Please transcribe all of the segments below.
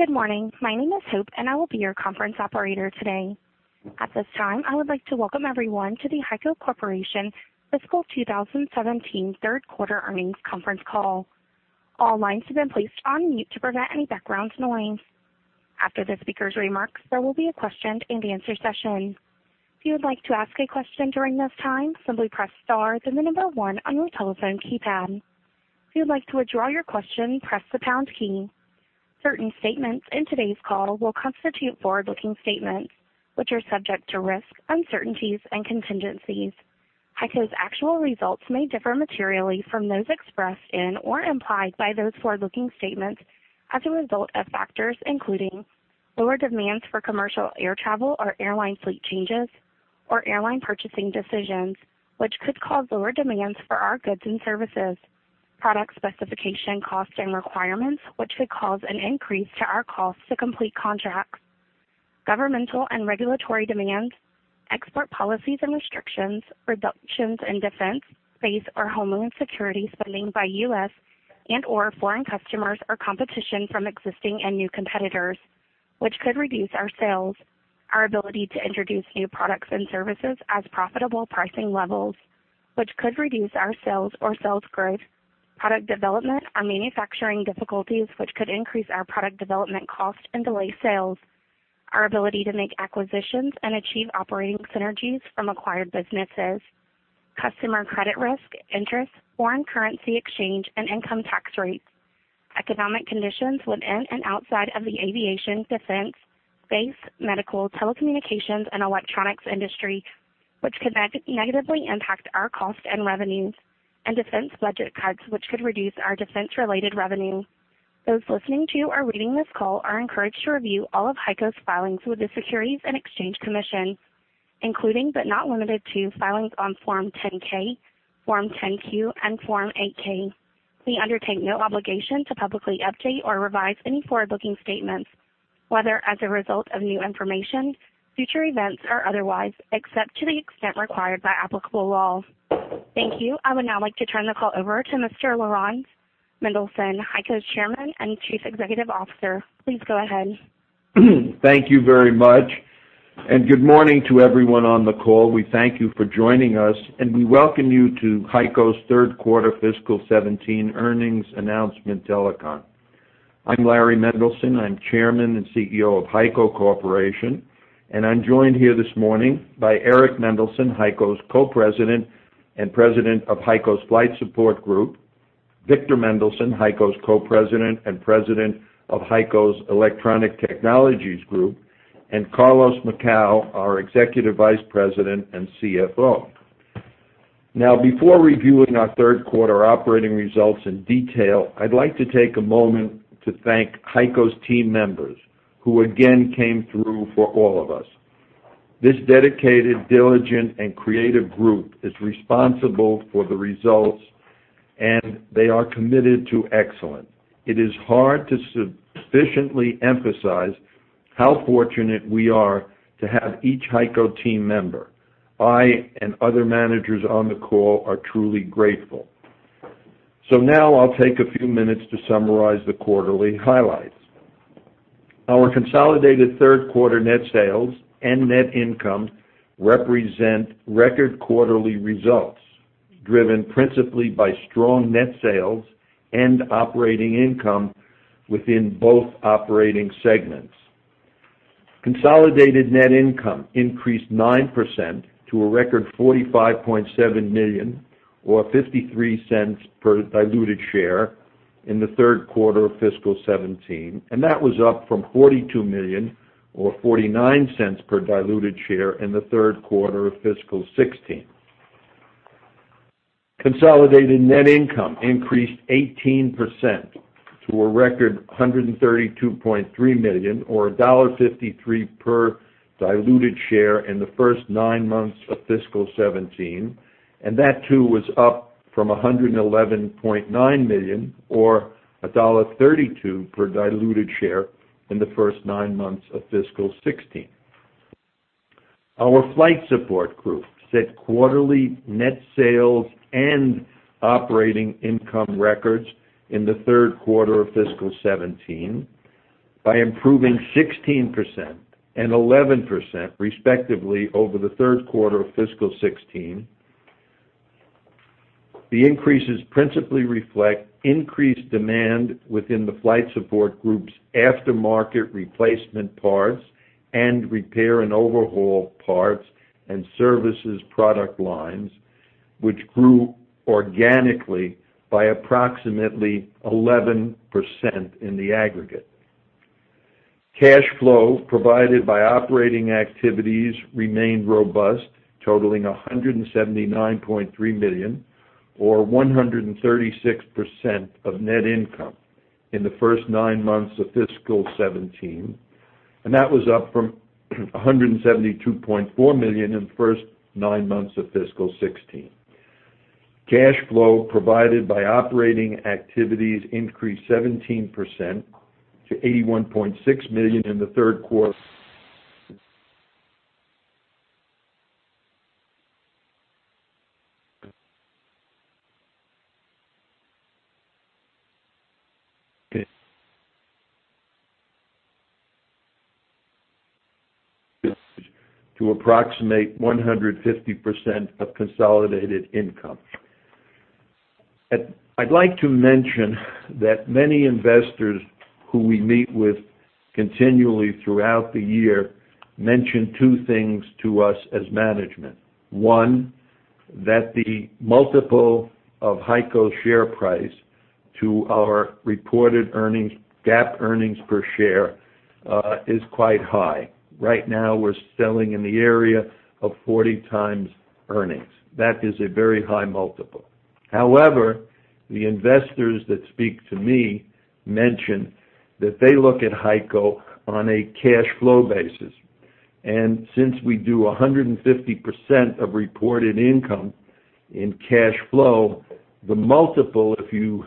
Good morning. My name is Hope, and I will be your conference operator today. At this time, I would like to welcome everyone to the HEICO Corporation Fiscal 2017 Third Quarter Earnings Conference Call. All lines have been placed on mute to prevent any background noise. After the speakers' remarks, there will be a question-and-answer session. If you would like to ask a question during this time, simply press star then 1 on your telephone keypad. If you would like to withdraw your question, press the pound key. Certain statements in today's call will constitute forward-looking statements, which are subject to risks, uncertainties, and contingencies. HEICO's actual results may differ materially from those expressed or implied by those forward-looking statements as a result of factors including lower demands for commercial air travel or airline fleet changes or airline purchasing decisions, which could cause lower demands for our goods and services. Product specification cost and requirements, which could cause an increase to our cost to complete contracts. Governmental and regulatory demands, export policies and restrictions, reductions in defense, space, or homeland security spending by U.S. and/or foreign customers or competition from existing and new competitors, which could reduce our sales. Our ability to introduce new products and services as profitable pricing levels, which could reduce our sales or sales growth. Product development or manufacturing difficulties, which could increase our product development cost and delay sales. Our ability to make acquisitions and achieve operating synergies from acquired businesses. Customer credit risk, interest, foreign currency exchange, and income tax rates. Economic conditions within and outside of the aviation, defense, space, medical, telecommunications, and electronics industry, which could negatively impact our cost and revenues. Defense budget cuts, which could reduce our defense-related revenue. Those listening to or reading this call are encouraged to review all of HEICO's filings with the Securities and Exchange Commission, including but not limited to filings on Form 10-K, Form 10-Q, and Form 8-K. We undertake no obligation to publicly update or revise any forward-looking statements, whether as a result of new information, future events, or otherwise, except to the extent required by applicable laws. Thank you. I would now like to turn the call over to Mr. Laurans Mendelson, HEICO's Chairman and Chief Executive Officer. Please go ahead. Thank you very much, and good morning to everyone on the call. We thank you for joining us, and we welcome you to HEICO's third quarter fiscal 2017 earnings announcement telecon. I'm Larry Mendelson. I'm Chairman and CEO of HEICO Corporation, and I'm joined here this morning by Eric Mendelson, HEICO's Co-President and President of HEICO's Flight Support Group; Victor Mendelson, HEICO's Co-President and President of HEICO's Electronic Technologies Group; and Carlos Macau, our Executive Vice President and CFO. Now, before reviewing our third quarter operating results in detail, I'd like to take a moment to thank HEICO's team members, who again came through for all of us. This dedicated, diligent, and creative group is responsible for the results, and they are committed to excellence. It is hard to sufficiently emphasize how fortunate we are to have each HEICO team member. I and other managers on the call are truly grateful. Now I'll take a few minutes to summarize the quarterly highlights. Our consolidated third quarter net sales and net income represent record quarterly results, driven principally by strong net sales and operating income within both operating segments. Consolidated net income increased 9% to a record $45.7 million or $0.53 per diluted share in the third quarter of fiscal 2017, and that was up from $42 million or $0.49 per diluted share in the third quarter of fiscal 2016. Consolidated net income increased 18% to a record $132.3 million or $1.53 per diluted share in the first nine months of fiscal 2017, and that too was up from $111.9 million or $1.32 per diluted share in the first nine months of fiscal 2016. Our Flight Support Group set quarterly net sales and operating income records in the third quarter of fiscal 2017 by improving 16% and 11%, respectively, over the third quarter of fiscal 2016. The increases principally reflect increased demand within the Flight Support Group's aftermarket replacement parts and repair and overhaul parts and services product lines, which grew organically by approximately 11% in the aggregate. Cash flow provided by operating activities remained robust, totaling $179.3 million or 136% of net income in the first nine months of fiscal 2017, and that was up from $172.4 million in the first nine months of fiscal 2016. Cash flow provided by operating activities increased 17% to $81.6 million in the third quarter to approximate 150% of consolidated income. I'd like to mention that many investors who we meet with continually throughout the year mention two things to us as management. One, that the multiple of HEICO share price to our reported earnings, GAAP earnings per share, is quite high. Right now we're selling in the area of 40 times earnings. That is a very high multiple. However, the investors that speak to me mention that they look at HEICO on a cash flow basis. Since we do 150% of reported income in cash flow, the multiple, if you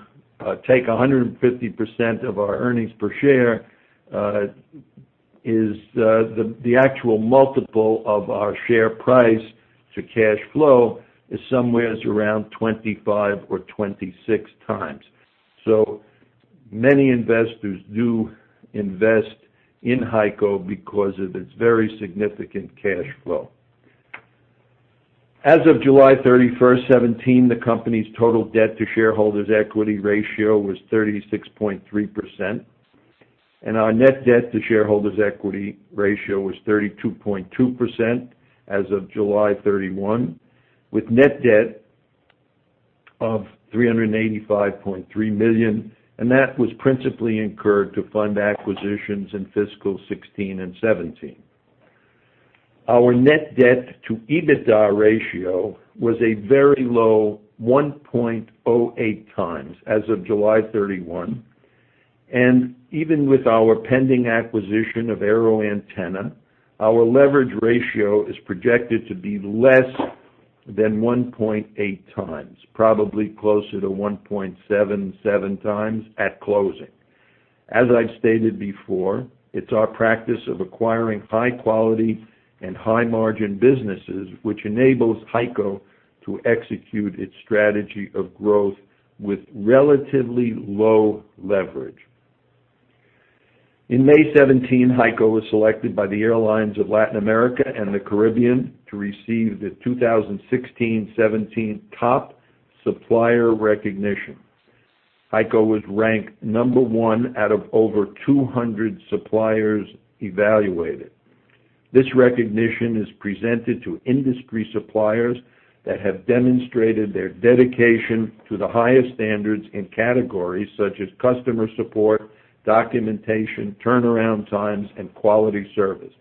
take 150% of our earnings per share, the actual multiple of our share price to cash flow is somewhere around 25 or 26 times. Many investors do invest in HEICO because of its very significant cash flow. As of July 31, 2017, the company's total debt to shareholders' equity ratio was 36.3%, and our net debt to shareholders' equity ratio was 32.2% as of July 31, with net debt of $385.3 million, and that was principally incurred to fund acquisitions in fiscal 2016 and 2017. Our net debt to EBITDA ratio was a very low 1.08 times as of July 31. Even with our pending acquisition of AeroAntenna, our leverage ratio is projected to be less than 1.8 times, probably closer to 1.77 times at closing. As I've stated before, it's our practice of acquiring high-quality and high-margin businesses which enables HEICO to execute its strategy of growth with relatively low leverage. In May 2017, HEICO was selected by the Airlines of Latin America and the Caribbean to receive the 2016-2017 Top Supplier Recognition. HEICO was ranked number one out of over 200 suppliers evaluated. This recognition is presented to industry suppliers that have demonstrated their dedication to the highest standards in categories such as customer support, documentation, turnaround times, and quality service.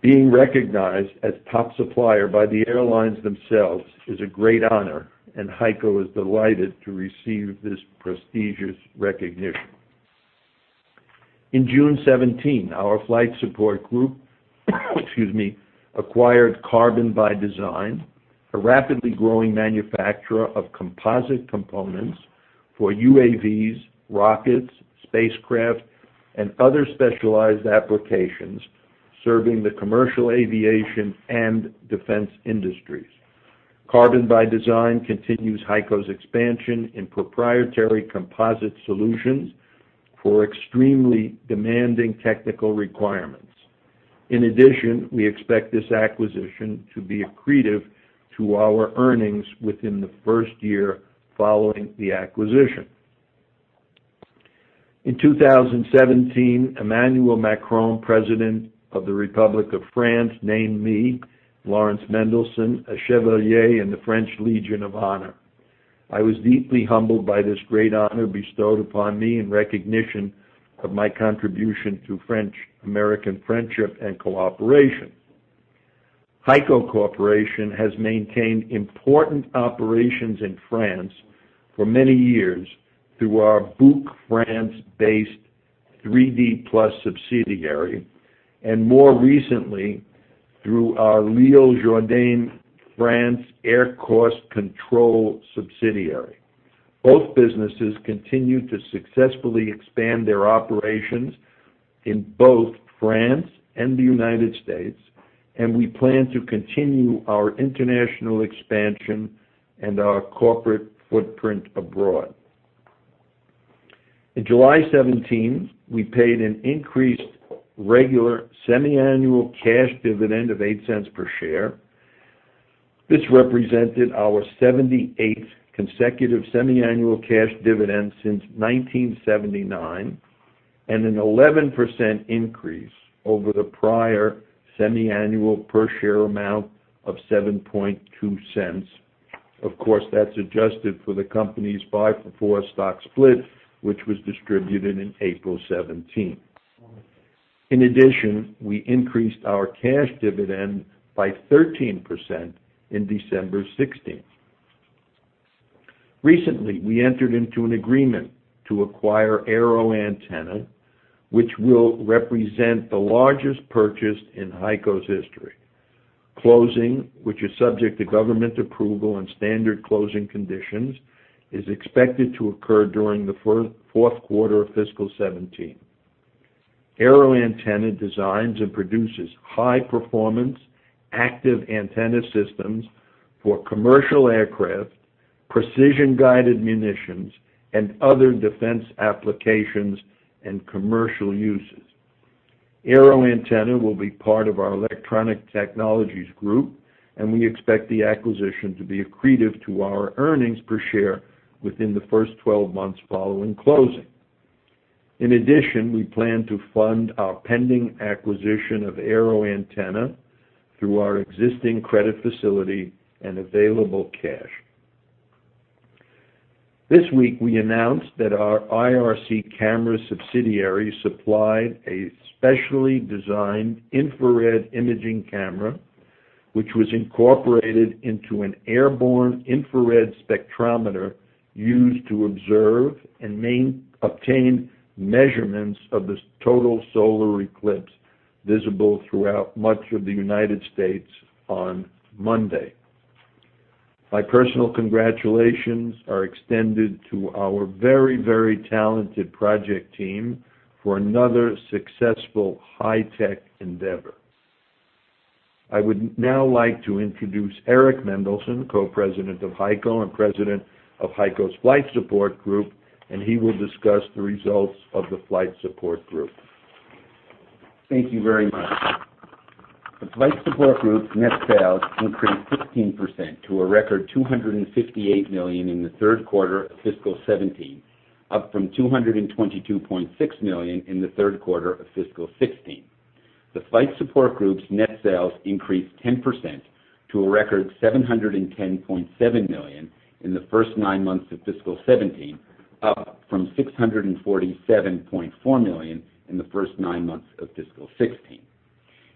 Being recognized as top supplier by the airlines themselves is a great honor, and HEICO is delighted to receive this prestigious recognition. In June 2017, our Flight Support Group, excuse me, acquired Carbon by Design, a rapidly growing manufacturer of composite components for UAVs, rockets, spacecraft, and other specialized applications serving the commercial aviation and defense industries. Carbon by Design continues HEICO's expansion in proprietary composite solutions for extremely demanding technical requirements. In addition, we expect this acquisition to be accretive to our earnings within the first year following the acquisition. In 2017, Emmanuel Macron, President of the Republic of France, named me, Laurans A. Mendelson, a Chevalier in the French Legion of Honor. I was deeply humbled by this great honor bestowed upon me in recognition of my contribution to French-American friendship and cooperation. HEICO Corporation has maintained important operations in France for many years through our Buc, France-based 3D PLUS subsidiary, and more recently, through our L'Isle-Jourdain, France, Air Cost Control subsidiary. Both businesses continue to successfully expand their operations in both France and the U.S., and we plan to continue our international expansion and our corporate footprint abroad. In July 2017, we paid an increased regular semiannual cash dividend of $0.08 per share. This represented our 78th consecutive semiannual cash dividend since 1979, and an 11% increase over the prior semiannual per share amount of $0.072. Of course, that's adjusted for the company's five-for-four stock split, which was distributed in April 2017. In addition, we increased our cash dividend by 13% in December 2016. Recently, we entered into an agreement to acquire AeroAntenna, which will represent the largest purchase in HEICO's history. Closing, which is subject to government approval and standard closing conditions, is expected to occur during the fourth quarter of fiscal 2017. AeroAntenna designs and produces high-performance active antenna systems for commercial aircraft, precision-guided munitions, and other defense applications and commercial uses. AeroAntenna will be part of our Electronic Technologies Group, and we expect the acquisition to be accretive to our earnings per share within the first 12 months following closing. In addition, we plan to fund our pending acquisition of AeroAntenna through our existing credit facility and available cash. This week, we announced that our IRCameras subsidiary supplied a specially designed infrared imaging camera, which was incorporated into an airborne infrared spectrometer used to observe and obtain measurements of the total solar eclipse, visible throughout much of the U.S. on Monday. My personal congratulations are extended to our very talented project team for another successful high-tech endeavor. I would now like to introduce Eric Mendelson, Co-President of HEICO and President of HEICO's Flight Support Group, and he will discuss the results of the Flight Support Group. Thank you very much. The Flight Support Group's net sales increased 16% to a record $258 million in the third quarter of fiscal 2017, up from $222.6 million in the third quarter of fiscal 2016. The Flight Support Group's net sales increased 10% to a record $710.7 million in the first nine months of fiscal 2017, up from $647.4 million in the first nine months of fiscal 2016.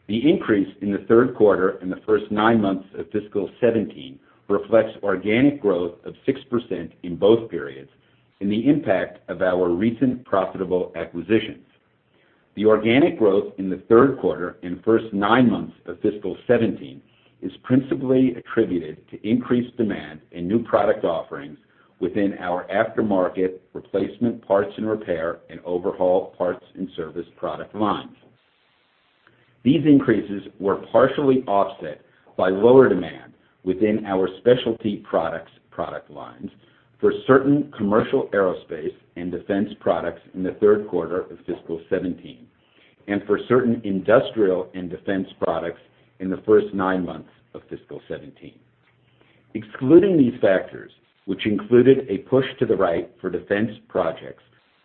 The increase in the third quarter and the first nine months of fiscal 2017 reflects organic growth of 6% in both periods and the impact of our recent profitable acquisitions. The organic growth in the third quarter and first nine months of fiscal 2017 is principally attributed to increased demand and new product offerings within our aftermarket replacement parts and repair and overhaul parts and service product lines. These increases were partially offset by lower demand within our specialty products product lines for certain commercial aerospace and defense products in the third quarter of fiscal 2017, and for certain industrial and defense products in the first nine months of fiscal 2017. Excluding these factors, which included a push to the right for defense projects,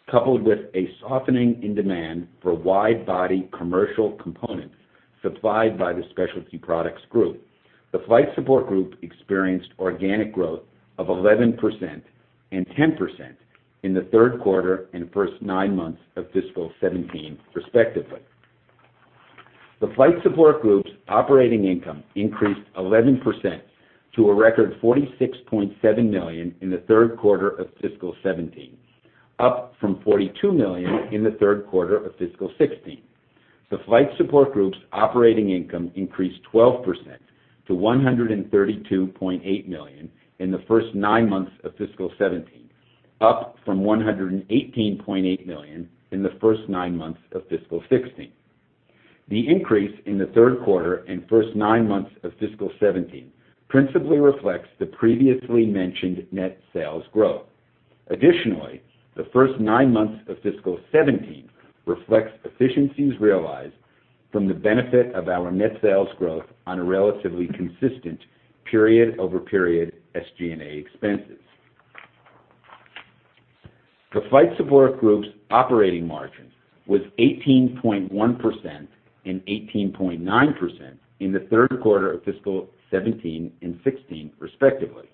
coupled with a softening in demand for wide-body commercial components supplied by the Specialty Products Group, the Flight Support Group experienced organic growth of 11% and 10% in the third quarter and first nine months of fiscal 2017, respectively. The Flight Support Group's operating income increased 11% to a record $46.7 million in the third quarter of fiscal 2017, up from $42 million in the third quarter of fiscal 2016. The Flight Support Group's operating income increased 12% to $132.8 million in the first nine months of fiscal 2017, up from $118.8 million in the first nine months of fiscal 2016. The increase in the third quarter and first nine months of fiscal 2017 principally reflects the previously mentioned net sales growth. Additionally, the first nine months of fiscal 2017 reflects efficiencies realized from the benefit of our net sales growth on a relatively consistent period-over-period SG&A expenses. The Flight Support Group's operating margin was 18.1% and 18.9% in the third quarter of fiscal 2017 and 2016, respectively.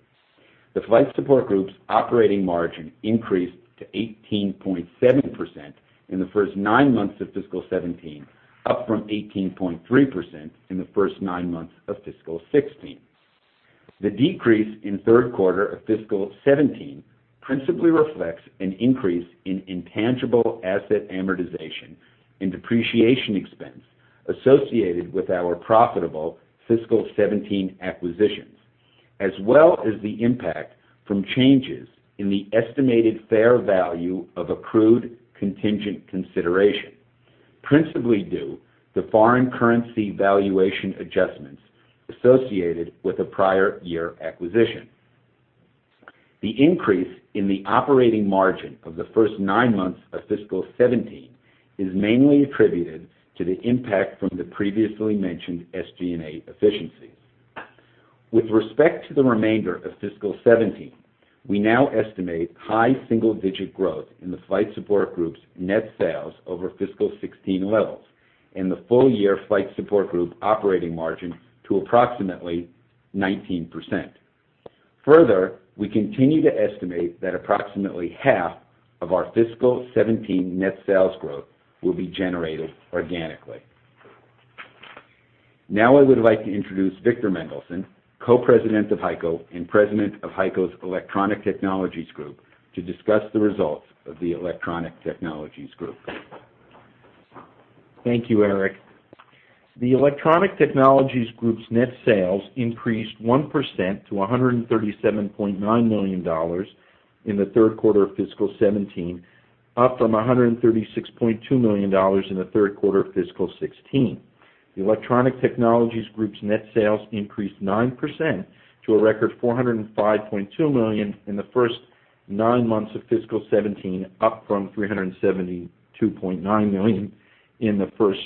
The Flight Support Group's operating margin increased to 18.7% in the first nine months of fiscal 2017, up from 18.3% in the first nine months of fiscal 2016. The decrease in third quarter of fiscal 2017 principally reflects an increase in intangible asset amortization and depreciation expense associated with our profitable fiscal 2017 acquisitions, as well as the impact from changes in the estimated fair value of accrued contingent consideration, principally due to foreign currency valuation adjustments associated with a prior year acquisition. The increase in the operating margin of the first nine months of fiscal 2017 is mainly attributed to the impact from the previously mentioned SG&A efficiencies. With respect to the remainder of fiscal 2017, we now estimate high single-digit growth in the Flight Support Group's net sales over fiscal 2016 levels and the full-year Flight Support Group operating margin to approximately 19%. Further, we continue to estimate that approximately half of our fiscal 2017 net sales growth will be generated organically. I would like to introduce Victor Mendelson, Co-President of HEICO and President of HEICO's Electronic Technologies Group, to discuss the results of the Electronic Technologies Group. Thank you, Eric. The Electronic Technologies Group's net sales increased 1% to $137.9 million in the third quarter of fiscal 2017, up from $136.2 million in the third quarter of fiscal 2016. The Electronic Technologies Group's net sales increased 9% to a record $405.2 million in the first nine months of fiscal 2017, up from $372.9 million in the first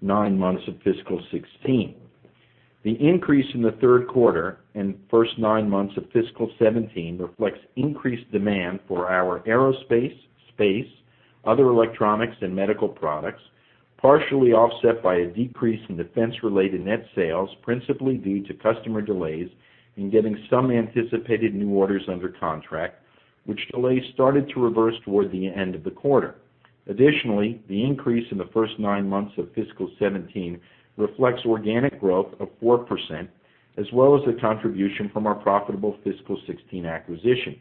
nine months of fiscal 2016. The increase in the third quarter and first nine months of fiscal 2017 reflects increased demand for our aerospace, space, other electronics, and medical products, partially offset by a decrease in defense-related net sales, principally due to customer delays in getting some anticipated new orders under contract, which delays started to reverse toward the end of the quarter. The increase in the first nine months of fiscal 2017 reflects organic growth of 4%, as well as the contribution from our profitable fiscal 2016 acquisition.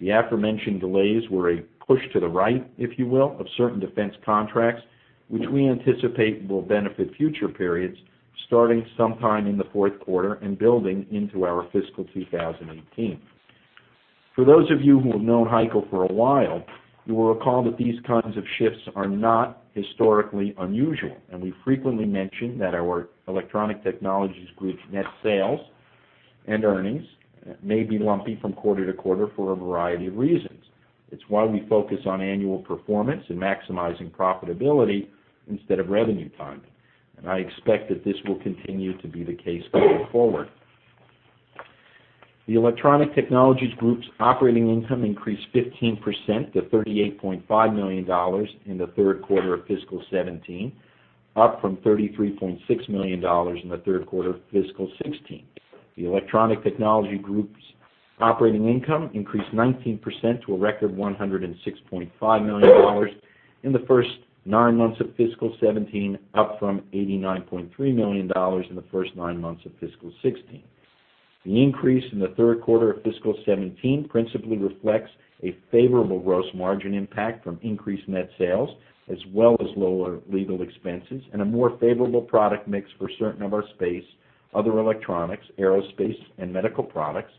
The aforementioned delays were a push to the right, if you will, of certain defense contracts, which we anticipate will benefit future periods starting sometime in the fourth quarter and building into our fiscal 2018. For those of you who have known HEICO for a while, you will recall that these kinds of shifts are not historically unusual, and we frequently mention that our Electronic Technologies Group's net sales and earnings may be lumpy from quarter to quarter for a variety of reasons. It's why we focus on annual performance and maximizing profitability instead of revenue timing. I expect that this will continue to be the case going forward. The Electronic Technologies Group's operating income increased 15% to $38.5 million in the third quarter of fiscal 2017, up from $33.6 million in the third quarter of fiscal 2016. The Electronic Technologies Group's operating income increased 19% to a record $106.5 million in the first nine months of fiscal 2017, up from $89.3 million in the first nine months of fiscal 2016. The increase in the third quarter of fiscal 2017 principally reflects a favorable gross margin impact from increased net sales, as well as lower legal expenses and a more favorable product mix for a certain number of space, other electronics, aerospace, and medical products,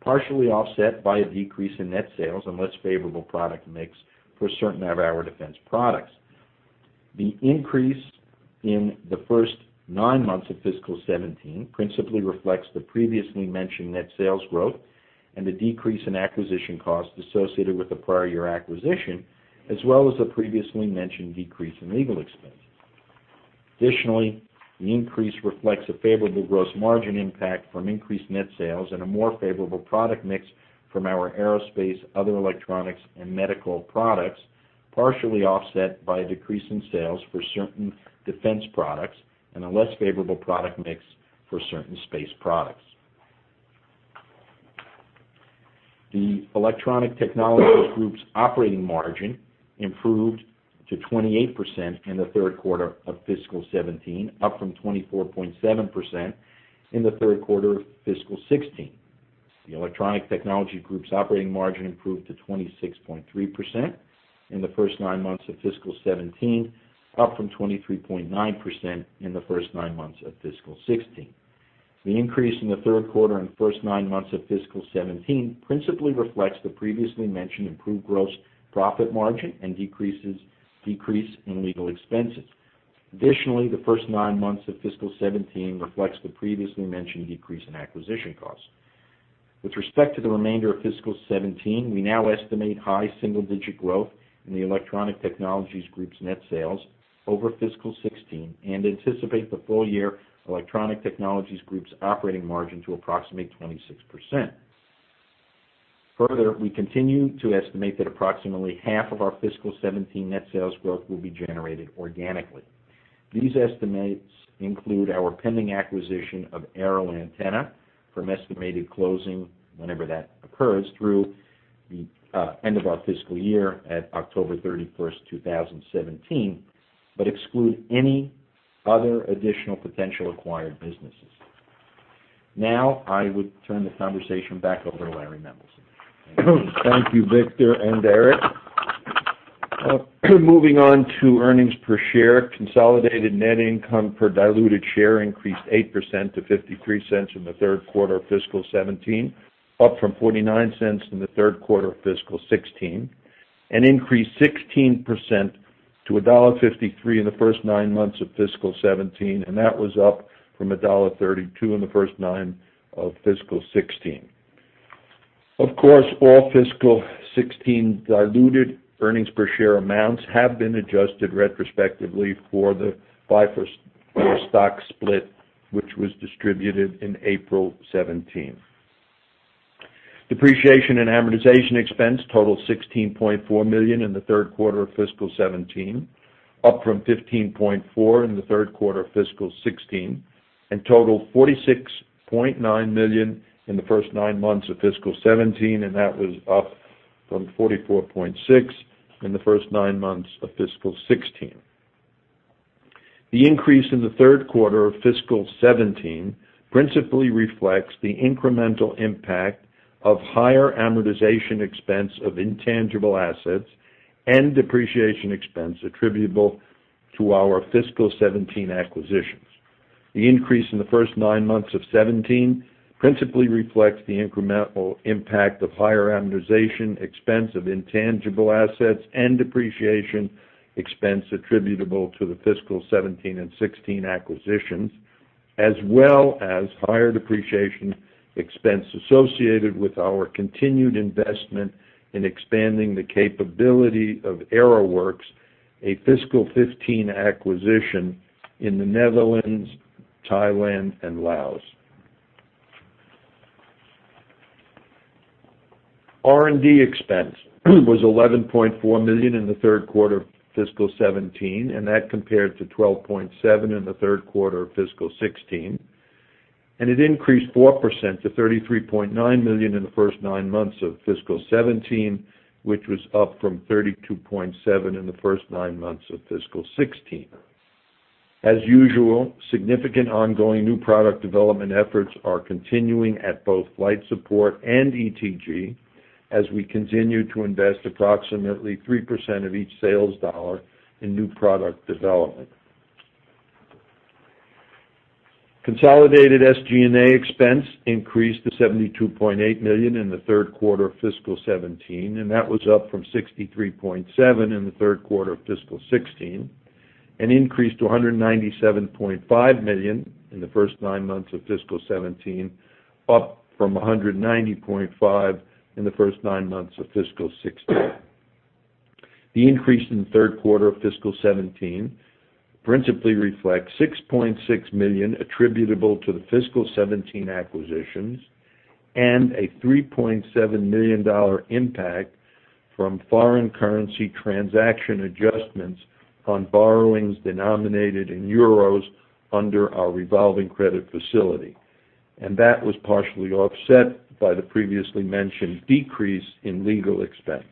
partially offset by a decrease in net sales and less favorable product mix for certain of our defense products. The increase in the first nine months of fiscal 2017 principally reflects the previously mentioned net sales growth and the decrease in acquisition costs associated with the prior year acquisition, as well as the previously mentioned decrease in legal expenses. Additionally, the increase reflects a favorable gross margin impact from increased net sales and a more favorable product mix from our aerospace, other electronics, and medical products, partially offset by a decrease in sales for certain defense products and a less favorable product mix for certain space products. The Electronic Technologies Group's operating margin improved to 28% in the third quarter of fiscal 2017, up from 24.7% in the third quarter of fiscal 2016. The Electronic Technologies Group's operating margin improved to 26.3% in the first nine months of fiscal 2017, up from 23.9% in the first nine months of fiscal 2016. The increase in the third quarter and first nine months of fiscal 2017 principally reflects the previously mentioned improved gross profit margin and decrease in legal expenses. Additionally, the first nine months of fiscal 2017 reflects the previously mentioned decrease in acquisition costs. With respect to the remainder of fiscal 2017, we now estimate high single-digit growth in the Electronic Technologies Group's net sales over fiscal 2016 and anticipate the full year Electronic Technologies Group's operating margin to approximate 26%. Further, we continue to estimate that approximately half of our fiscal 2017 net sales growth will be generated organically. These estimates include our pending acquisition of AeroAntenna Technology from estimated closing, whenever that occurs, through the end of our fiscal year at October 31st, 2017, but exclude any other additional potential acquired businesses. I would turn the conversation back over to Larry Mendelson. Thank you, Victor and Eric. Moving on to earnings per share. Consolidated net income per diluted share increased 8% to $0.53 in the third quarter of fiscal 2017, up from $0.49 in the third quarter of fiscal 2016, and increased 16% to $1.53 in the first nine months of fiscal 2017, and that was up from $1.32 in the first nine of fiscal 2016. Of course, all fiscal 2016 diluted earnings per share amounts have been adjusted retrospectively for the five-for-four stock split, which was distributed in April 2017. Depreciation and amortization expense totaled $16.4 million in the third quarter of fiscal 2017, up from $15.4 million in the third quarter of fiscal 2016, and totaled $46.9 million in the first nine months of fiscal 2017, and that was up from $44.6 million in the first nine months of fiscal 2016. The increase in the third quarter of fiscal 2017 principally reflects the incremental impact of higher amortization expense of intangible assets and depreciation expense attributable to our fiscal 2017 acquisitions. The increase in the first nine months of 2017 principally reflects the incremental impact of higher amortization expense of intangible assets, and depreciation expense attributable to the fiscal 2017 and 2016 acquisitions, as well as higher depreciation expense associated with our continued investment in expanding the capability of Aeroworks, a fiscal 2015 acquisition in the Netherlands, Thailand, and Laos. R&D expense was $11.4 million in the third quarter of fiscal 2017, and that compared to $12.7 million in the third quarter of fiscal 2016. It increased 4% to $33.9 million in the first nine months of fiscal 2017, which was up from $32.7 million in the first nine months of fiscal 2016. As usual, significant ongoing new product development efforts are continuing at both Flight Support and ETG as we continue to invest approximately 3% of each sales dollar in new product development. Consolidated SG&A expense increased to $72.8 million in the third quarter of fiscal 2017, that was up from $63.7 million in the third quarter of fiscal 2016, and increased to $197.5 million in the first nine months of fiscal 2017, up from $190.5 million in the first nine months of fiscal 2016. The increase in the third quarter of fiscal 2017 principally reflects $6.6 million attributable to the fiscal 2017 acquisitions and a $3.7 million impact from foreign currency transaction adjustments on borrowings denominated in euros under our revolving credit facility. That was partially offset by the previously mentioned decrease in legal expense.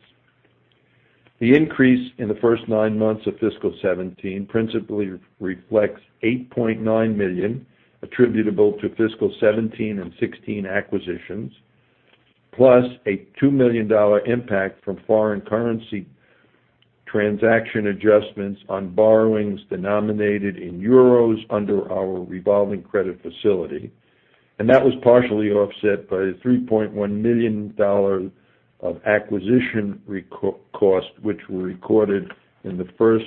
The increase in the first nine months of fiscal 2017 principally reflects $8.9 million attributable to fiscal 2017 and 2016 acquisitions, plus a $2 million impact from foreign currency transaction adjustments on borrowings denominated in euros under our revolving credit facility. That was partially offset by the $3.1 million of acquisition cost, which were recorded in the first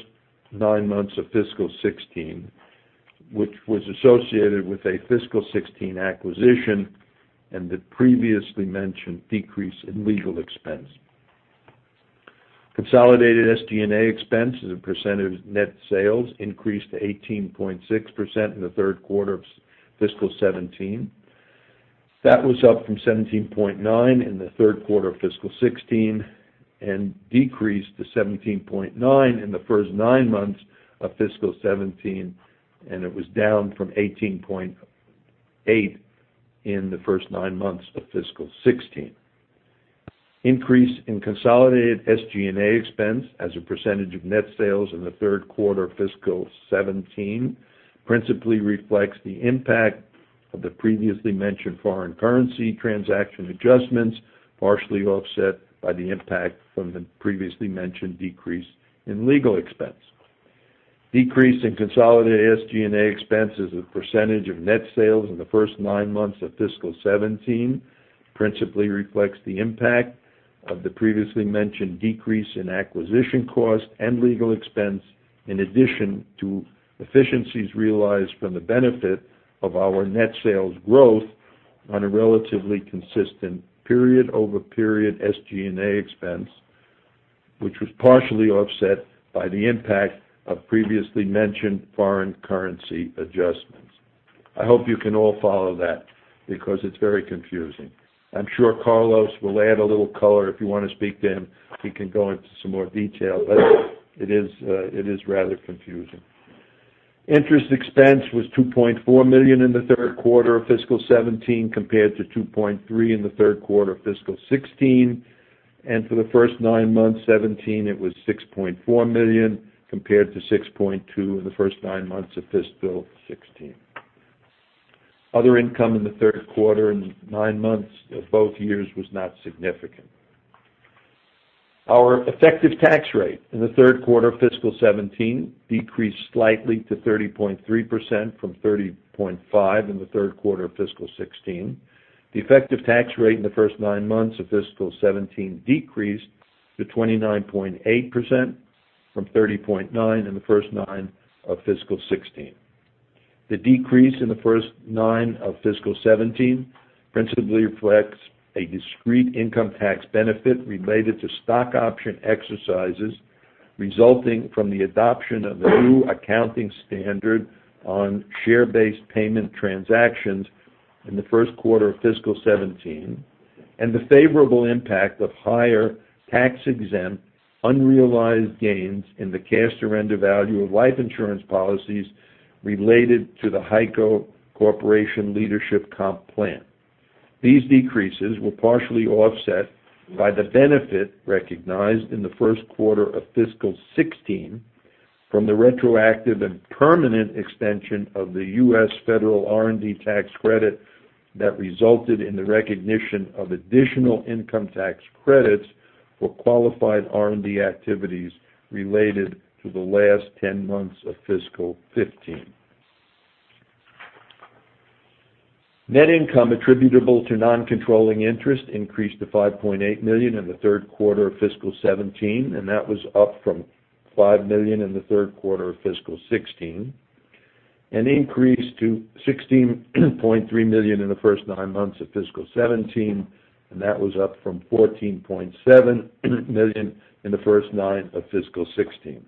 nine months of fiscal 2016, which was associated with a fiscal 2016 acquisition and the previously mentioned decrease in legal expense. Consolidated SG&A expense as a percent of net sales increased to 18.6% in the third quarter of fiscal 2017. That was up from 17.9% in the third quarter of fiscal 2016 and decreased to 17.9% in the first nine months of fiscal 2017, it was down from 18.8% in the first nine months of fiscal 2016. The increase in consolidated SG&A expense as a percentage of net sales in the third quarter of fiscal 2017 principally reflects the impact of the previously mentioned foreign currency transaction adjustments, partially offset by the impact from the previously mentioned decrease in legal expense. The decrease in consolidated SG&A expense as a percentage of net sales in the first nine months of fiscal 2017 principally reflects the impact of the previously mentioned decrease in acquisition cost and legal expense, in addition to efficiencies realized from the benefit of our net sales growth on a relatively consistent period-over-period SG&A expense, which was partially offset by the impact of previously mentioned foreign currency adjustments. I hope you can all follow that because it's very confusing. I'm sure Carlos will add a little color. If you want to speak to him, he can go into some more detail, but it is rather confusing. Interest expense was $2.4 million in the third quarter of fiscal 2017, compared to $2.3 million in the third quarter of fiscal 2016. For the first nine months of 2017, it was $6.4 million, compared to $6.2 million in the first nine months of fiscal 2016. Other income in the third quarter and nine months of both years was not significant. Our effective tax rate in the third quarter of fiscal 2017 decreased slightly to 30.3% from 30.5% in the third quarter of fiscal 2016. The effective tax rate in the first nine months of fiscal 2017 decreased to 29.8% from 30.9% in the first nine months of fiscal 2016. The decrease in the first nine of fiscal 2017 principally reflects a discrete income tax benefit related to stock option exercises, resulting from the adoption of a new accounting standard on share-based payment transactions in the first quarter of fiscal 2017, and the favorable impact of higher tax-exempt, unrealized gains in the cash surrender value of life insurance policies related to the HEICO Corporation Leadership Compensation Plan. These decreases were partially offset by the benefit recognized in the first quarter of fiscal 2016 from the retroactive and permanent extension of the U.S. Federal R&D tax credit that resulted in the recognition of additional income tax credits for qualified R&D activities related to the last 10 months of fiscal 2015. Net income attributable to non-controlling interest increased to $5.8 million in the third quarter of fiscal 2017, and that was up from $5 million in the third quarter of fiscal 2016. An increase to $16.3 million in the first nine months of fiscal 2017, and that was up from $14.7 million in the first nine of fiscal 2016.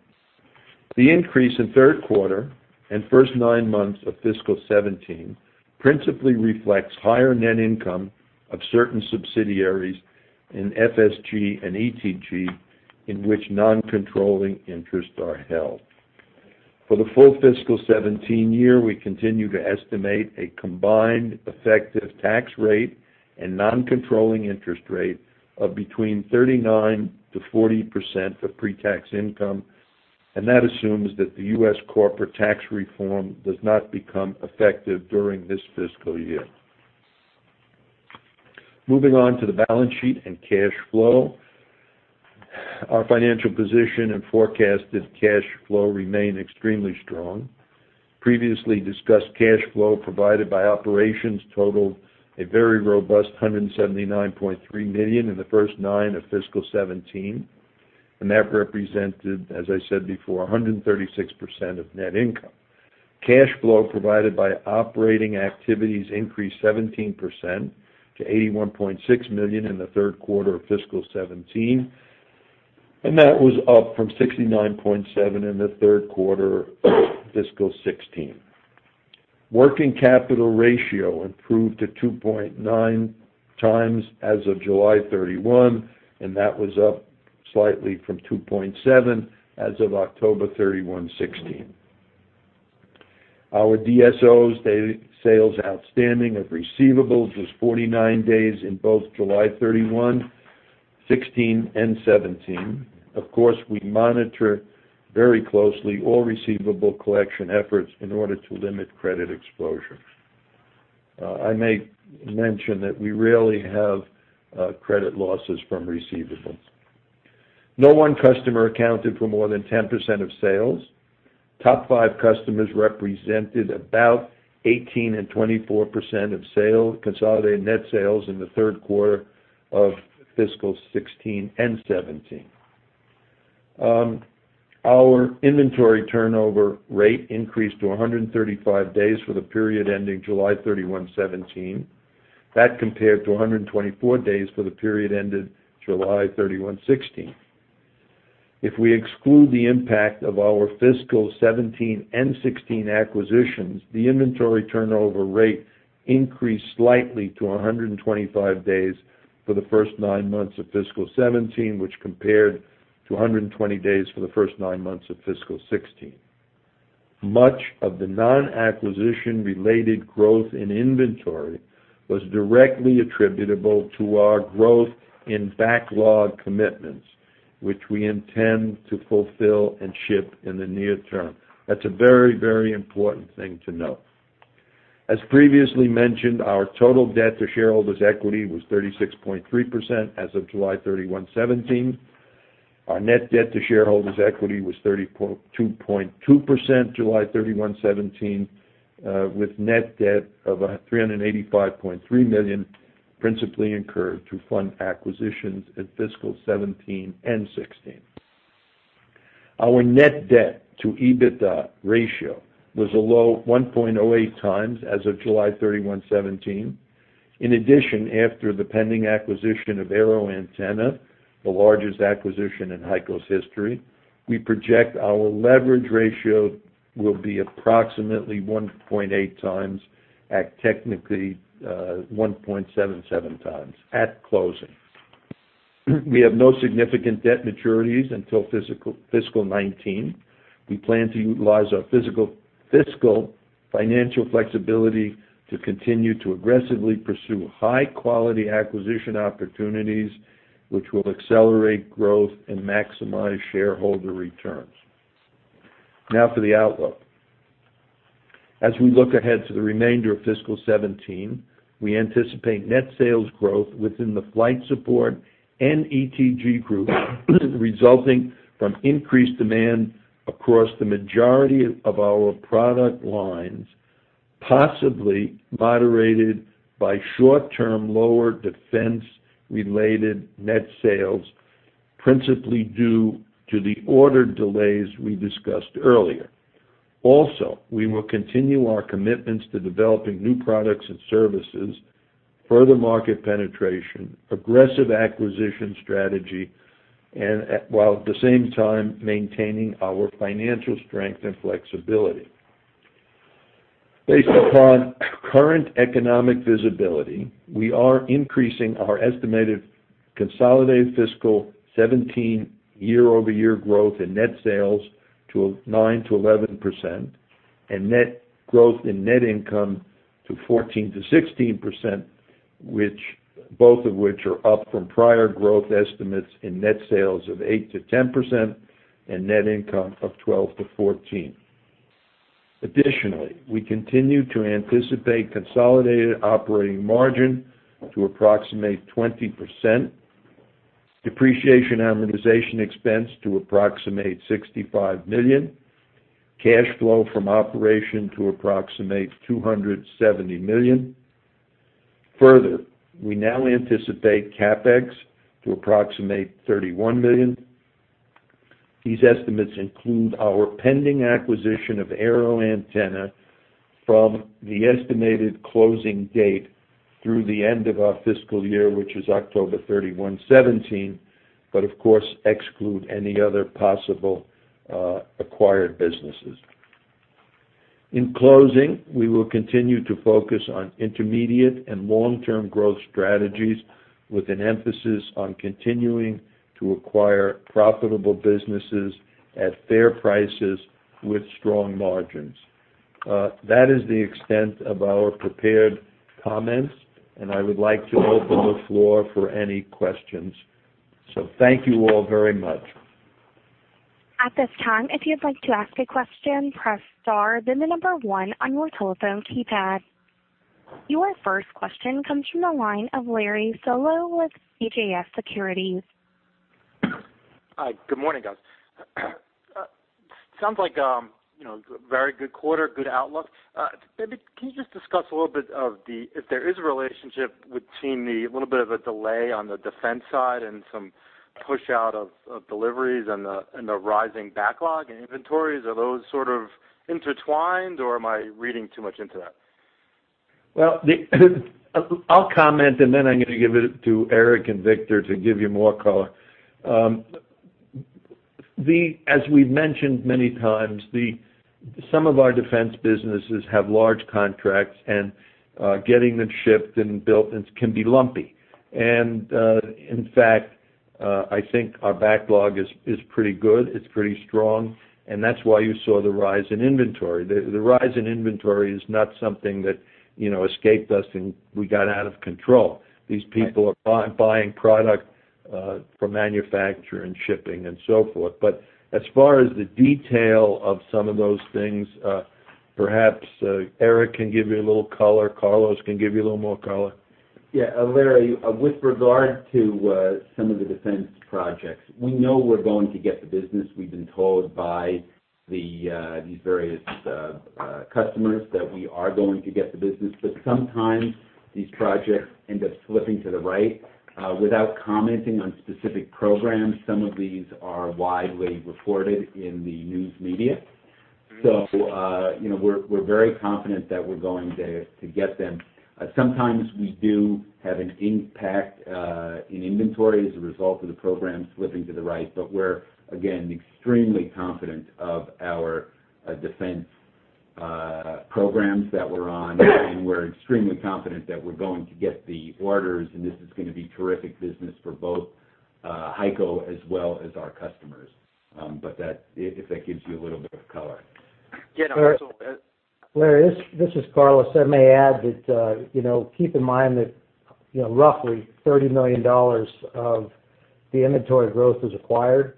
The increase in third quarter and first nine months of fiscal 2017 principally reflects higher net income of certain subsidiaries in FSG and ETG in which non-controlling interests are held. For the full fiscal 2017 year, we continue to estimate a combined effective tax rate and non-controlling interest rate of between 39%-40% of pre-tax income, and that assumes that the U.S. corporate tax reform does not become effective during this fiscal year. Moving on to the balance sheet and cash flow. Our financial position and forecasted cash flow remain extremely strong. Previously discussed cash flow provided by operations totaled a very robust $179.3 million in the first nine of fiscal 2017, and that represented, as I said before, 136% of net income. Cash flow provided by operating activities increased 17% to $81.6 million in the third quarter of fiscal 2017, and that was up from $69.7 million in the third quarter of fiscal 2016. Working capital ratio improved to 2.9 times as of July 31, and that was up slightly from 2.7 as of October 31, 2016. Our DSOs, daily sales outstanding of receivables, was 49 days in both July 31, 2016 and 2017. Of course, we monitor very closely all receivable collection efforts in order to limit credit exposure. I may mention that we rarely have credit losses from receivables. No one customer accounted for more than 10% of sales. Top five customers represented about 18% and 24% of consolidated net sales in the third quarter of fiscal 2016 and 2017. Our inventory turnover rate increased to 135 days for the period ending July 31, 2017. That compared to 124 days for the period ended July 31, 2016. If we exclude the impact of our fiscal 2017 and 2016 acquisitions, the inventory turnover rate increased slightly to 125 days for the first nine months of fiscal 2017, which compared to 120 days for the first nine months of fiscal 2016. Much of the non-acquisition-related growth in inventory was directly attributable to our growth in backlog commitments, which we intend to fulfill and ship in the near term. That's a very important thing to note. As previously mentioned, our total debt to shareholders' equity was 36.3% as of July 31, 2017. Our net debt to shareholders' equity was 32.2% July 31, 2017, with net debt of $385.3 million principally incurred to fund acquisitions in fiscal 2017 and 2016. Our net debt to EBITDA ratio was a low 1.08 times as of July 31, 2017. In addition, after the pending acquisition of AeroAntenna, the largest acquisition in HEICO's history, we project our leverage ratio will be approximately 1.8 times at technically 1.77 times at closing. We have no significant debt maturities until fiscal 2019. We plan to utilize our fiscal financial flexibility to continue to aggressively pursue high-quality acquisition opportunities, which will accelerate growth and maximize shareholder returns. For the outlook. As we look ahead to the remainder of fiscal 2017, we anticipate net sales growth within the Flight Support and ETG groups resulting from increased demand across the majority of our product lines, possibly moderated by short-term, lower defense-related net sales, principally due to the order delays we discussed earlier. We will continue our commitments to developing new products and services, further market penetration, aggressive acquisition strategy, while at the same time maintaining our financial strength and flexibility. Based upon current economic visibility, we are increasing our estimated consolidated fiscal 2017 year-over-year growth in net sales to 9%-11%, and net growth in net income to 14%-16% both of which are up from prior growth estimates in net sales of 8%-10% and net income of 12%-14%. We continue to anticipate consolidated operating margin to approximate 20%, depreciation/amortization expense to approximate $65 million, cash flow from operation to approximate $270 million. We now anticipate CapEx to approximate $31 million. These estimates include our pending acquisition of AeroAntenna from the estimated closing date through the end of our fiscal year, which is October 31, 2017, but of course exclude any other possible acquired businesses. We will continue to focus on intermediate and long-term growth strategies with an emphasis on continuing to acquire profitable businesses at fair prices with strong margins. That is the extent of our prepared comments. I would like to open the floor for any questions. Thank you all very much. At this time, if you'd like to ask a question, press star, then the number 1 on your telephone keypad. Your first question comes from the line of Larry Solow with CJS Securities. Hi, good morning, guys. Sounds like a very good quarter, good outlook. Maybe can you just discuss a little bit of if there is a relationship between the little bit of a delay on the defense side and some push out of deliveries and the rising backlog in inventories? Are those sort of intertwined, or am I reading too much into that? Well, I'll comment and then I'm going to give it to Eric and Victor to give you more color. As we've mentioned many times, some of our defense businesses have large contracts, and getting them shipped and built can be lumpy. In fact, I think our backlog is pretty good. It's pretty strong, and that's why you saw the rise in inventory. The rise in inventory is not something that escaped us, and we got out of control. These people are buying product for manufacture and shipping and so forth. As far as the detail of some of those things, perhaps Eric can give you a little color, Carlos can give you a little more color. Yeah. Larry, with regard to some of the defense projects, we know we're going to get the business. We've been told by these various customers that we are going to get the business. Sometimes these projects end up slipping to the right. Without commenting on specific programs, some of these are widely reported in the news media. We're very confident that we're going to get them. Sometimes we do have an impact in inventory as a result of the program slipping to the right. We're, again, extremely confident of our defense programs that we're on, and we're extremely confident that we're going to get the orders, and this is going to be terrific business for both HEICO as well as our customers. If that gives you a little bit of color. Yeah, no, that's all. Larry, this is Carlos. I may add that keep in mind that roughly $30 million of the inventory growth is acquired.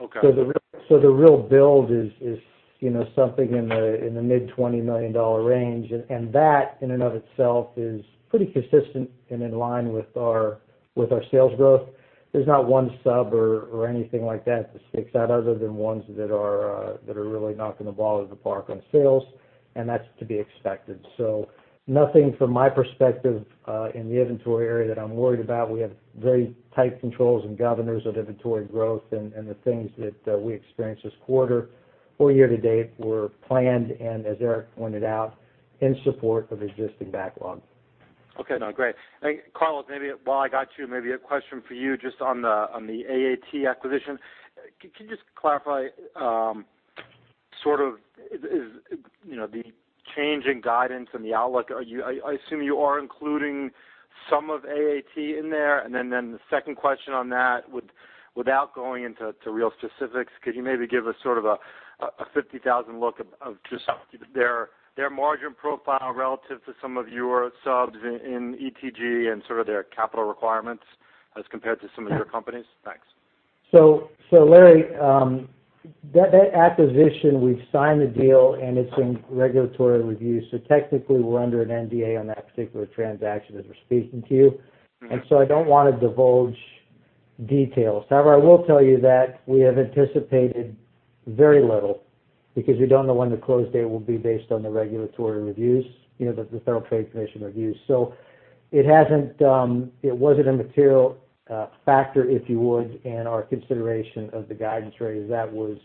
Okay. The real build is something in the mid $20 million range. That in and of itself is pretty consistent and in line with our sales growth. There's not one sub or anything like that that sticks out other than ones that are really knocking the ball out of the park on sales, and that's to be expected. Nothing from my perspective in the inventory area that I'm worried about. We have very tight controls and governors of inventory growth, and the things that we experienced this quarter or year to date were planned, and as Eric pointed out, in support of existing backlog. Okay. No, great. Carlos, maybe while I got you, maybe a question for you just on the AAT acquisition. Can you just clarify the change in guidance and the outlook? I assume you are including some of AAT in there. Then the second question on that, without going into real specifics, could you maybe give us sort of a 50,000 look of just their margin profile relative to some of your subs in ETG and sort of their capital requirements as compared to some of your companies? Thanks. Larry, that acquisition, we've signed the deal, and it's in regulatory review. Technically we're under an NDA on that particular transaction as we're speaking to you. I don't want to divulge details. However, I will tell you that we have anticipated very little because we don't know when the close date will be based on the regulatory reviews, the Federal Trade Commission reviews. It wasn't a material factor, if you would, in our consideration of the guidance, Larry. That was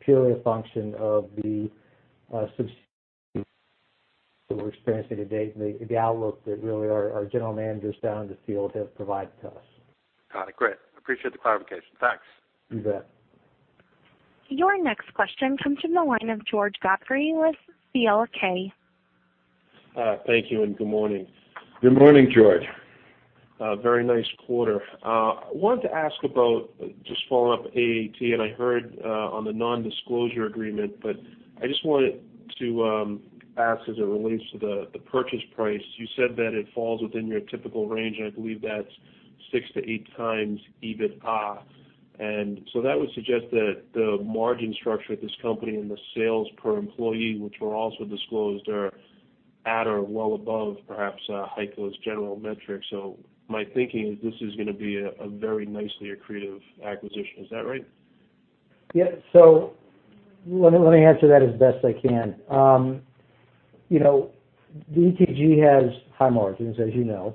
purely a function of the subs that we're experiencing to date and the outlook that really our general managers down in the field have provided to us. Got it. Great. Appreciate the clarification. Thanks. You bet. Your next question comes from the line of George Godfrey with C.L. King. Thank you and good morning. Good morning, George. Very nice quarter. I wanted to ask about, just following up AAT, and I heard on the non-disclosure agreement, but I just wanted to ask as it relates to the purchase price. You said that it falls within your typical range, and I believe that's 6-8 times EBITDA. That would suggest that the margin structure of this company and the sales per employee, which were also disclosed, are at or well above, perhaps, HEICO's general metrics. My thinking is this is going to be a very nicely accretive acquisition. Is that right? Yeah. Let me answer that as best I can. ETG has high margins, as you know.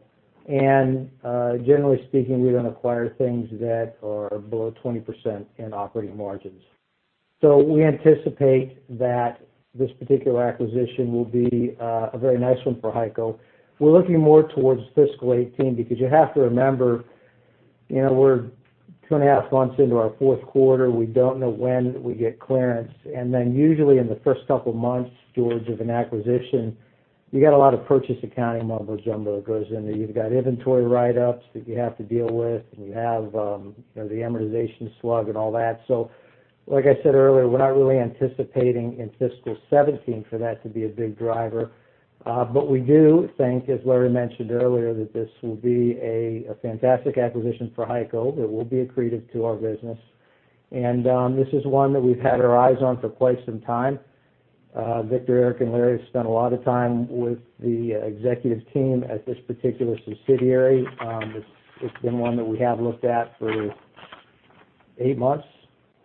Generally speaking, we don't acquire things that are below 20% in operating margins. We anticipate that this particular acquisition will be a very nice one for HEICO. We're looking more towards fiscal 2018, because you have to remember, we're two and a half months into our fourth quarter. We don't know when we get clearance, and then usually in the first couple of months, George, of an acquisition, you get a lot of purchase accounting mumbo jumbo that goes into it. You've got inventory write-ups that you have to deal with, and you have the amortization slug and all that. Like I said earlier, we're not really anticipating in fiscal 2017 for that to be a big driver. We do think, as Larry mentioned earlier, that this will be a fantastic acquisition for HEICO, that will be accretive to our business. This is one that we've had our eyes on for quite some time. Victor, Eric, and Larry have spent a lot of time with the executive team at this particular subsidiary. It's been one that we have looked at for eight months?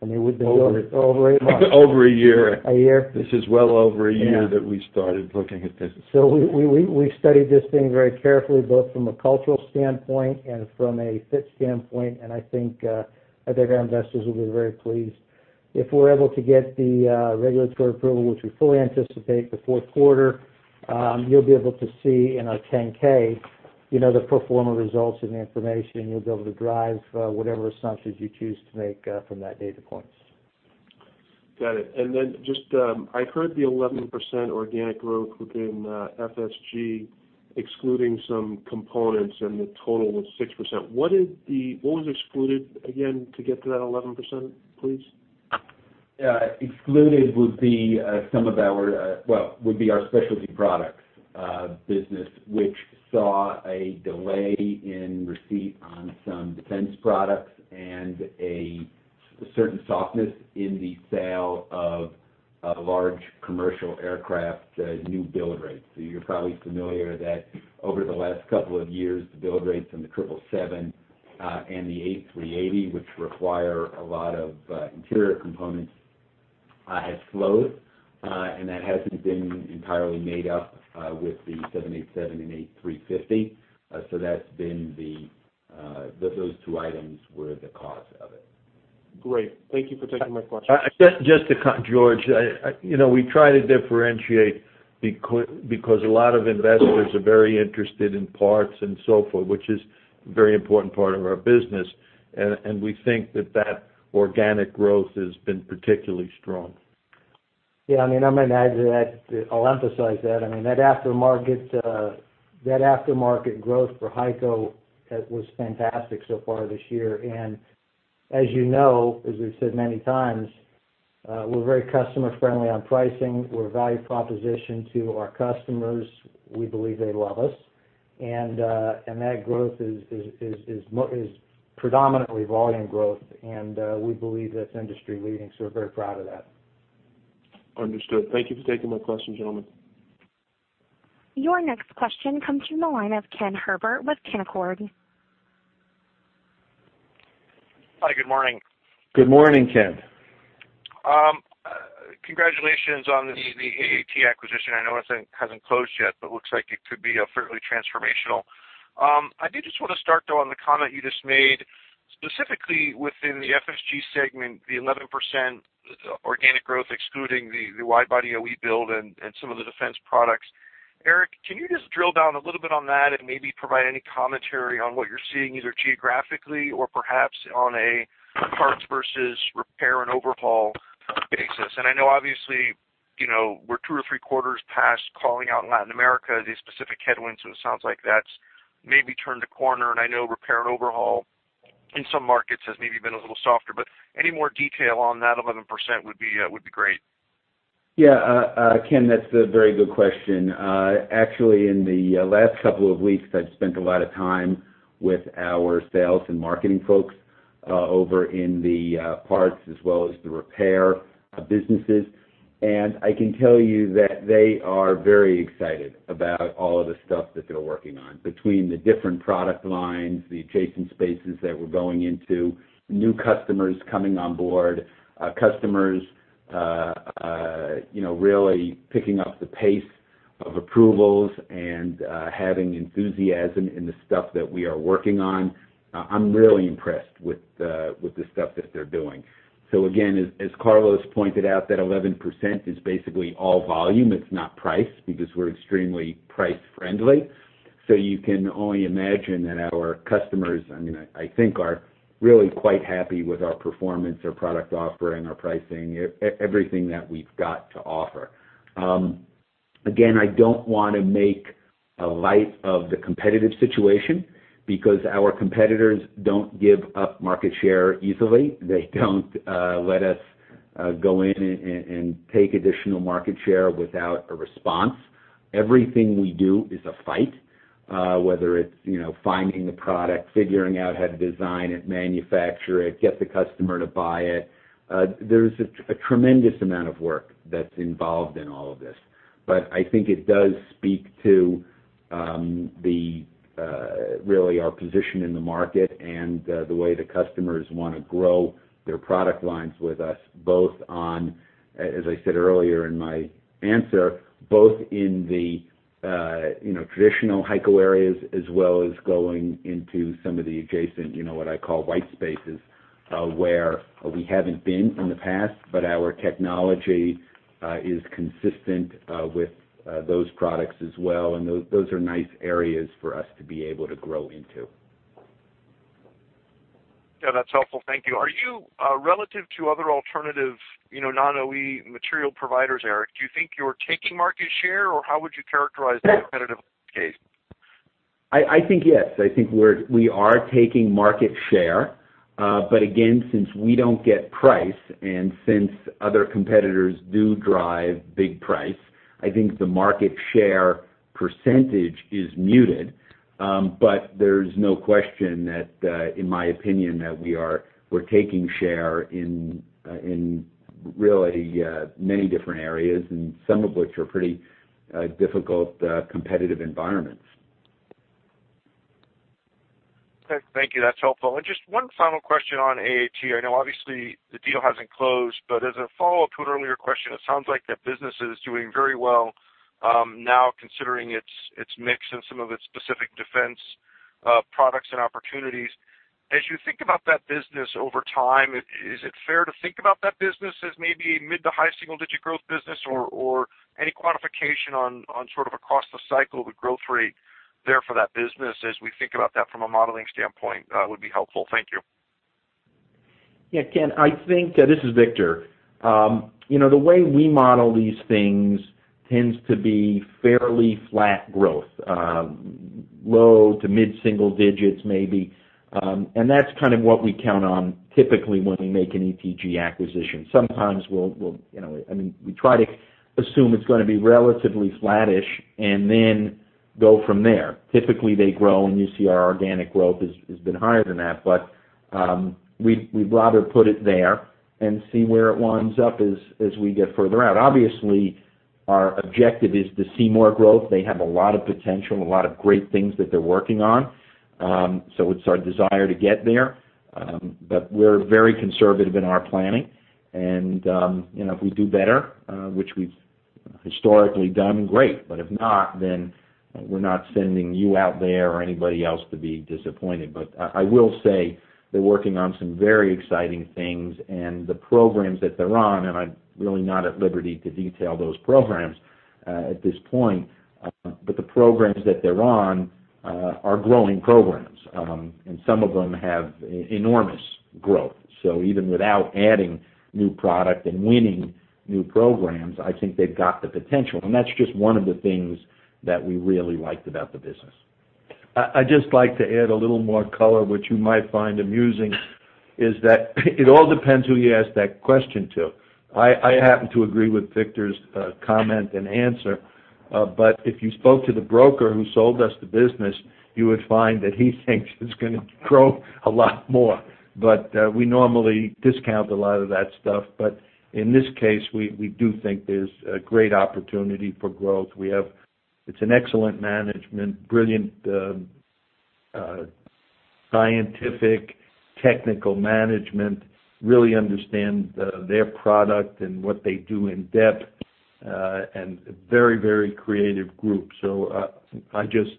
I mean, Over. Over eight months. Over a year. A year. This is well over a year that we started looking at this. We studied this thing very carefully, both from a cultural standpoint and from a fit standpoint, and I think our investors will be very pleased. If we're able to get the regulatory approval, which we fully anticipate the fourth quarter, you'll be able to see in our 10-K the pro forma results and the information, and you'll be able to drive whatever assumptions you choose to make from that data points. Got it. Just, I heard the 11% organic growth within FSG, excluding some components, and the total was 6%. What was excluded, again, to get to that 11%, please? Yeah. Excluded would be our Specialty Products Group, which saw a delay in receipt on some defense products and a certain softness in the sale of large commercial aircraft, new build rates. You're probably familiar that over the last couple of years, the build rates on the 777 and the A380, which require a lot of interior components, has slowed. That hasn't been entirely made up with the 787 and A350. Those two items were the cause of it. Great. Thank you for taking my question. George, we try to differentiate because a lot of investors are very interested in parts and so forth, which is a very important part of our business, and we think that organic growth has been particularly strong. Yeah, I might add to that. I'll emphasize that. That aftermarket growth for HEICO was fantastic so far this year. As you know, as we've said many times, we're very customer-friendly on pricing. We're a value proposition to our customers. We believe they love us. That growth is predominantly volume growth, and we believe that's industry-leading, so we're very proud of that. Understood. Thank you for taking my question, gentlemen. Your next question comes from the line of Ken Herbert with Canaccord. Hi, good morning. Good morning, Ken. Congratulations on the AAT acquisition. I know it hasn't closed yet, but looks like it could be fairly transformational. I did just want to start, though, on the comment you just made, specifically within the FSG segment, the 11% organic growth excluding the wide-body OE build and some of the defense products. Eric, can you just drill down a little bit on that and maybe provide any commentary on what you're seeing, either geographically or perhaps on a parts versus repair and overhaul basis? I know obviously, we're two or three quarters past calling out Latin America, the specific headwinds, it sounds like that's maybe turned a corner, and I know repair and overhaul in some markets has maybe been a little softer, but any more detail on that 11% would be great. Yeah, Ken, that's a very good question. Actually, in the last couple of weeks, I've spent a lot of time with our sales and marketing folks over in the parts as well as the repair businesses. I can tell you that they are very excited about all of the stuff that they're working on. Between the different product lines, the adjacent spaces that we're going into, new customers coming on board, customers really picking up the pace of approvals and having enthusiasm in the stuff that we are working on. I'm really impressed with the stuff that they're doing. Again, as Carlos pointed out, that 11% is basically all volume. It's not price, because we're extremely price-friendly. You can only imagine that our customers, I think, are really quite happy with our performance, our product offering, our pricing, everything that we've got to offer. Again, I don't want to make light of the competitive situation, because our competitors don't give up market share easily. They don't let us go in and take additional market share without a response. Everything we do is a fight, whether it's finding the product, figuring out how to design it, manufacture it, get the customer to buy it. There's a tremendous amount of work that's involved in all of this. I think it does speak to really our position in the market and the way the customers want to grow their product lines with us, both on, as I said earlier in my answer, both in the traditional HEICO areas, as well as going into some of the adjacent, what I call white spaces, where we haven't been in the past, but our technology is consistent with those products as well. Those are nice areas for us to be able to grow into. Yeah, that's helpful. Thank you. Relative to other alternative non-OE material providers, Eric, do you think you're taking market share, or how would you characterize the competitive case? I think yes. I think we are taking market share. Again, since we don't get price and since other competitors do drive big price, I think the market share percentage is muted. There's no question that, in my opinion, that we're taking share in really many different areas, and some of which are pretty difficult competitive environments. Okay. Thank you. That's helpful. Just one final question on AAT. I know obviously the deal hasn't closed, as a follow-up to an earlier question, it sounds like the business is doing very well now considering its mix and some of its specific defense products and opportunities. As you think about that business over time, is it fair to think about that business as maybe a mid to high single-digit growth business? Any quantification on sort of across the cycle, the growth rate there for that business as we think about that from a modeling standpoint would be helpful. Thank you. Yeah, Ken, this is Victor. The way we model these things tends to be fairly flat growth, low to mid-single digits maybe. That's kind of what we count on typically when we make an ETG acquisition. Sometimes we try to assume it's going to be relatively flattish and then go from there. Typically, they grow, and you see our organic growth has been higher than that. We'd rather put it there and see where it winds up as we get further out. Obviously, our objective is to see more growth. They have a lot of potential, a lot of great things that they're working on. It's our desire to get there. We're very conservative in our planning. If we do better, which we've historically done, great. If not, then we're not sending you out there or anybody else to be disappointed. I will say they're working on some very exciting things, the programs that they're on, I'm really not at liberty to detail those programs at this point, the programs that they're on are growing programs. Some of them have enormous growth. Even without adding new product and winning new programs, I think they've got the potential. That's just one of the things that we really liked about the business. I'd just like to add a little more color, which you might find amusing, is that it all depends who you ask that question to. I happen to agree with Victor's comment and answer. If you spoke to the broker who sold us the business, you would find that he thinks it's going to grow a lot more. We normally discount a lot of that stuff. In this case, we do think there's a great opportunity for growth. It's an excellent management, brilliant scientific, technical management, really understand their product and what they do in depth, and a very creative group. I just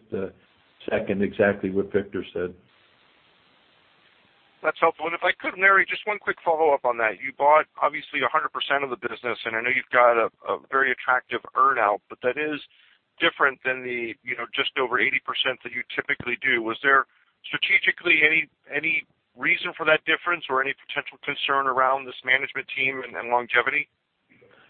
second exactly what Victor said. That's helpful. If I could, Larry, just one quick follow-up on that. You bought obviously 100% of the business, I know you've got a very attractive earn-out, that is different than the just over 80% that you typically do. Was there strategically any reason for that difference or any potential concern around this management team and longevity?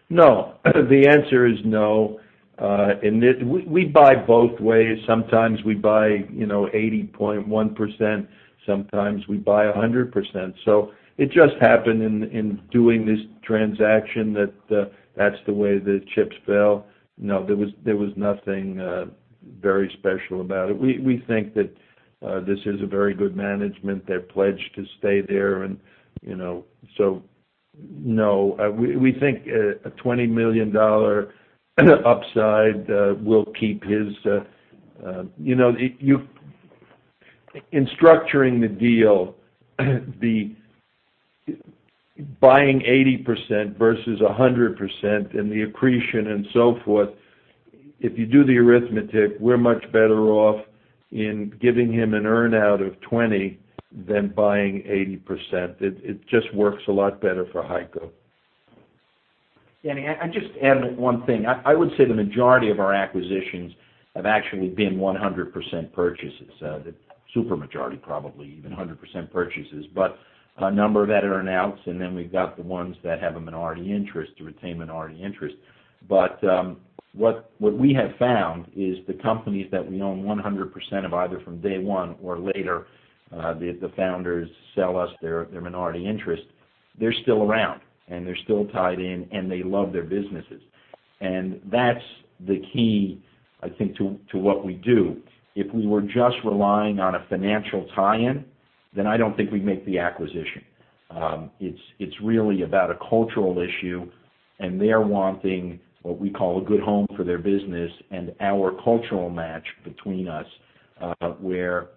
No. The answer is no. We buy both ways. Sometimes we buy 80.1%, sometimes we buy 100%. It just happened in doing this transaction that that's the way the chips fell. No, there was nothing very special about it. We think that this is a very good management. They've pledged to stay there. No, we think a $20 million upside will keep his In structuring the deal, buying 80% versus 100% and the accretion and so forth, if you do the arithmetic, we're much better off in giving him an earn-out of 20 than buying 80%. It just works a lot better for HEICO. Kenneth, I just add one thing. I would say the majority of our acquisitions have actually been 100% purchases, the super majority, probably even 100% purchases. A number of them are announce, and then we've got the ones that have a minority interest or retain minority interest. what we have found is the companies that we own 100% of, either from day one or later, the founders sell us their minority interest, they're still around, and they're still tied in, and they love their businesses. That's the key, I think, to what we do. If we were just relying on a financial tie-in, then I don't think we'd make the acquisition. It's really about a cultural issue, and they're wanting what we call a good home for their business, and our cultural match between us, where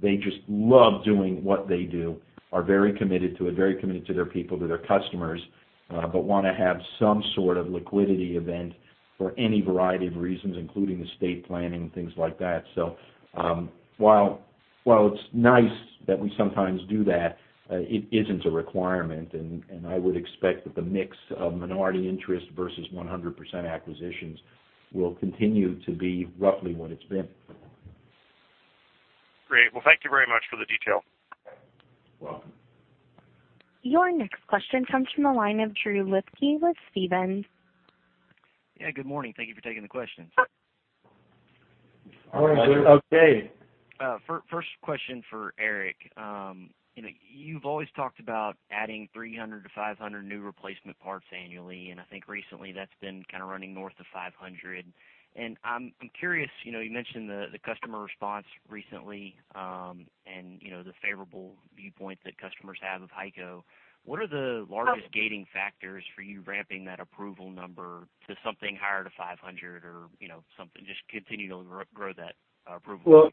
they just love doing what they do, are very committed to it, very committed to their people, to their customers, but want to have some sort of liquidity event for any variety of reasons, including estate planning and things like that. While it's nice that we sometimes do that, it isn't a requirement, and I would expect that the mix of minority interest versus 100% acquisitions will continue to be roughly what it's been. Great. Thank you very much for the detail. You're welcome. Your next question comes from the line of Drew Lipke with Stephens. Yeah, good morning. Thank you for taking the question. Morning, Drew. How are you? Okay. First question for Eric. You've always talked about adding 300-500 new replacement parts annually, I think recently, that's been kind of running north of 500. I'm curious, you mentioned the customer response recently, and the favorable viewpoint that customers have of HEICO. What are the largest gating factors for you ramping that approval number to something higher to 500 or just continue to grow that approval? Well,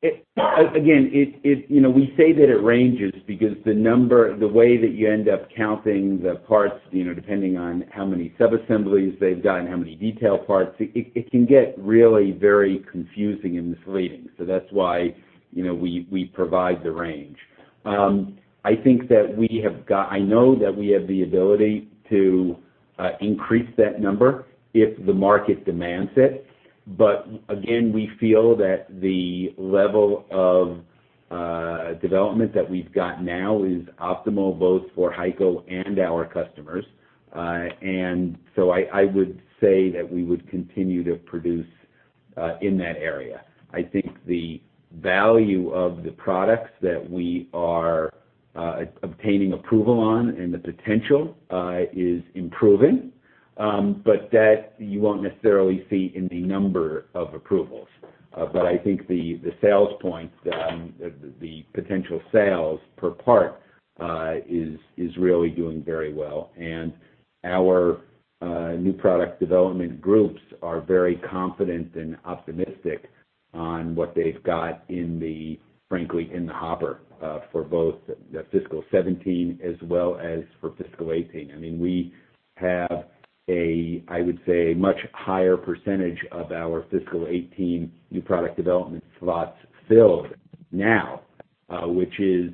again, we say that it ranges because the way that you end up counting the parts, depending on how many sub-assemblies they've got and how many detail parts, it can get really very confusing and misleading. That's why we provide the range. I know that we have the ability to increase that number if the market demands it. Again, we feel that the level of development that we've got now is optimal both for HEICO and our customers. I would say that we would continue to produce in that area. I think the value of the products that we are obtaining approval on and the potential is improving, but that you won't necessarily see in the number of approvals. I think the sales points, the potential sales per part, is really doing very well. Our new product development groups are very confident and optimistic on what they've got, frankly, in the hopper, for both the fiscal 2017 as well as for fiscal 2018. We have, I would say, a much higher percentage of our fiscal 2018 new product development slots filled now, which is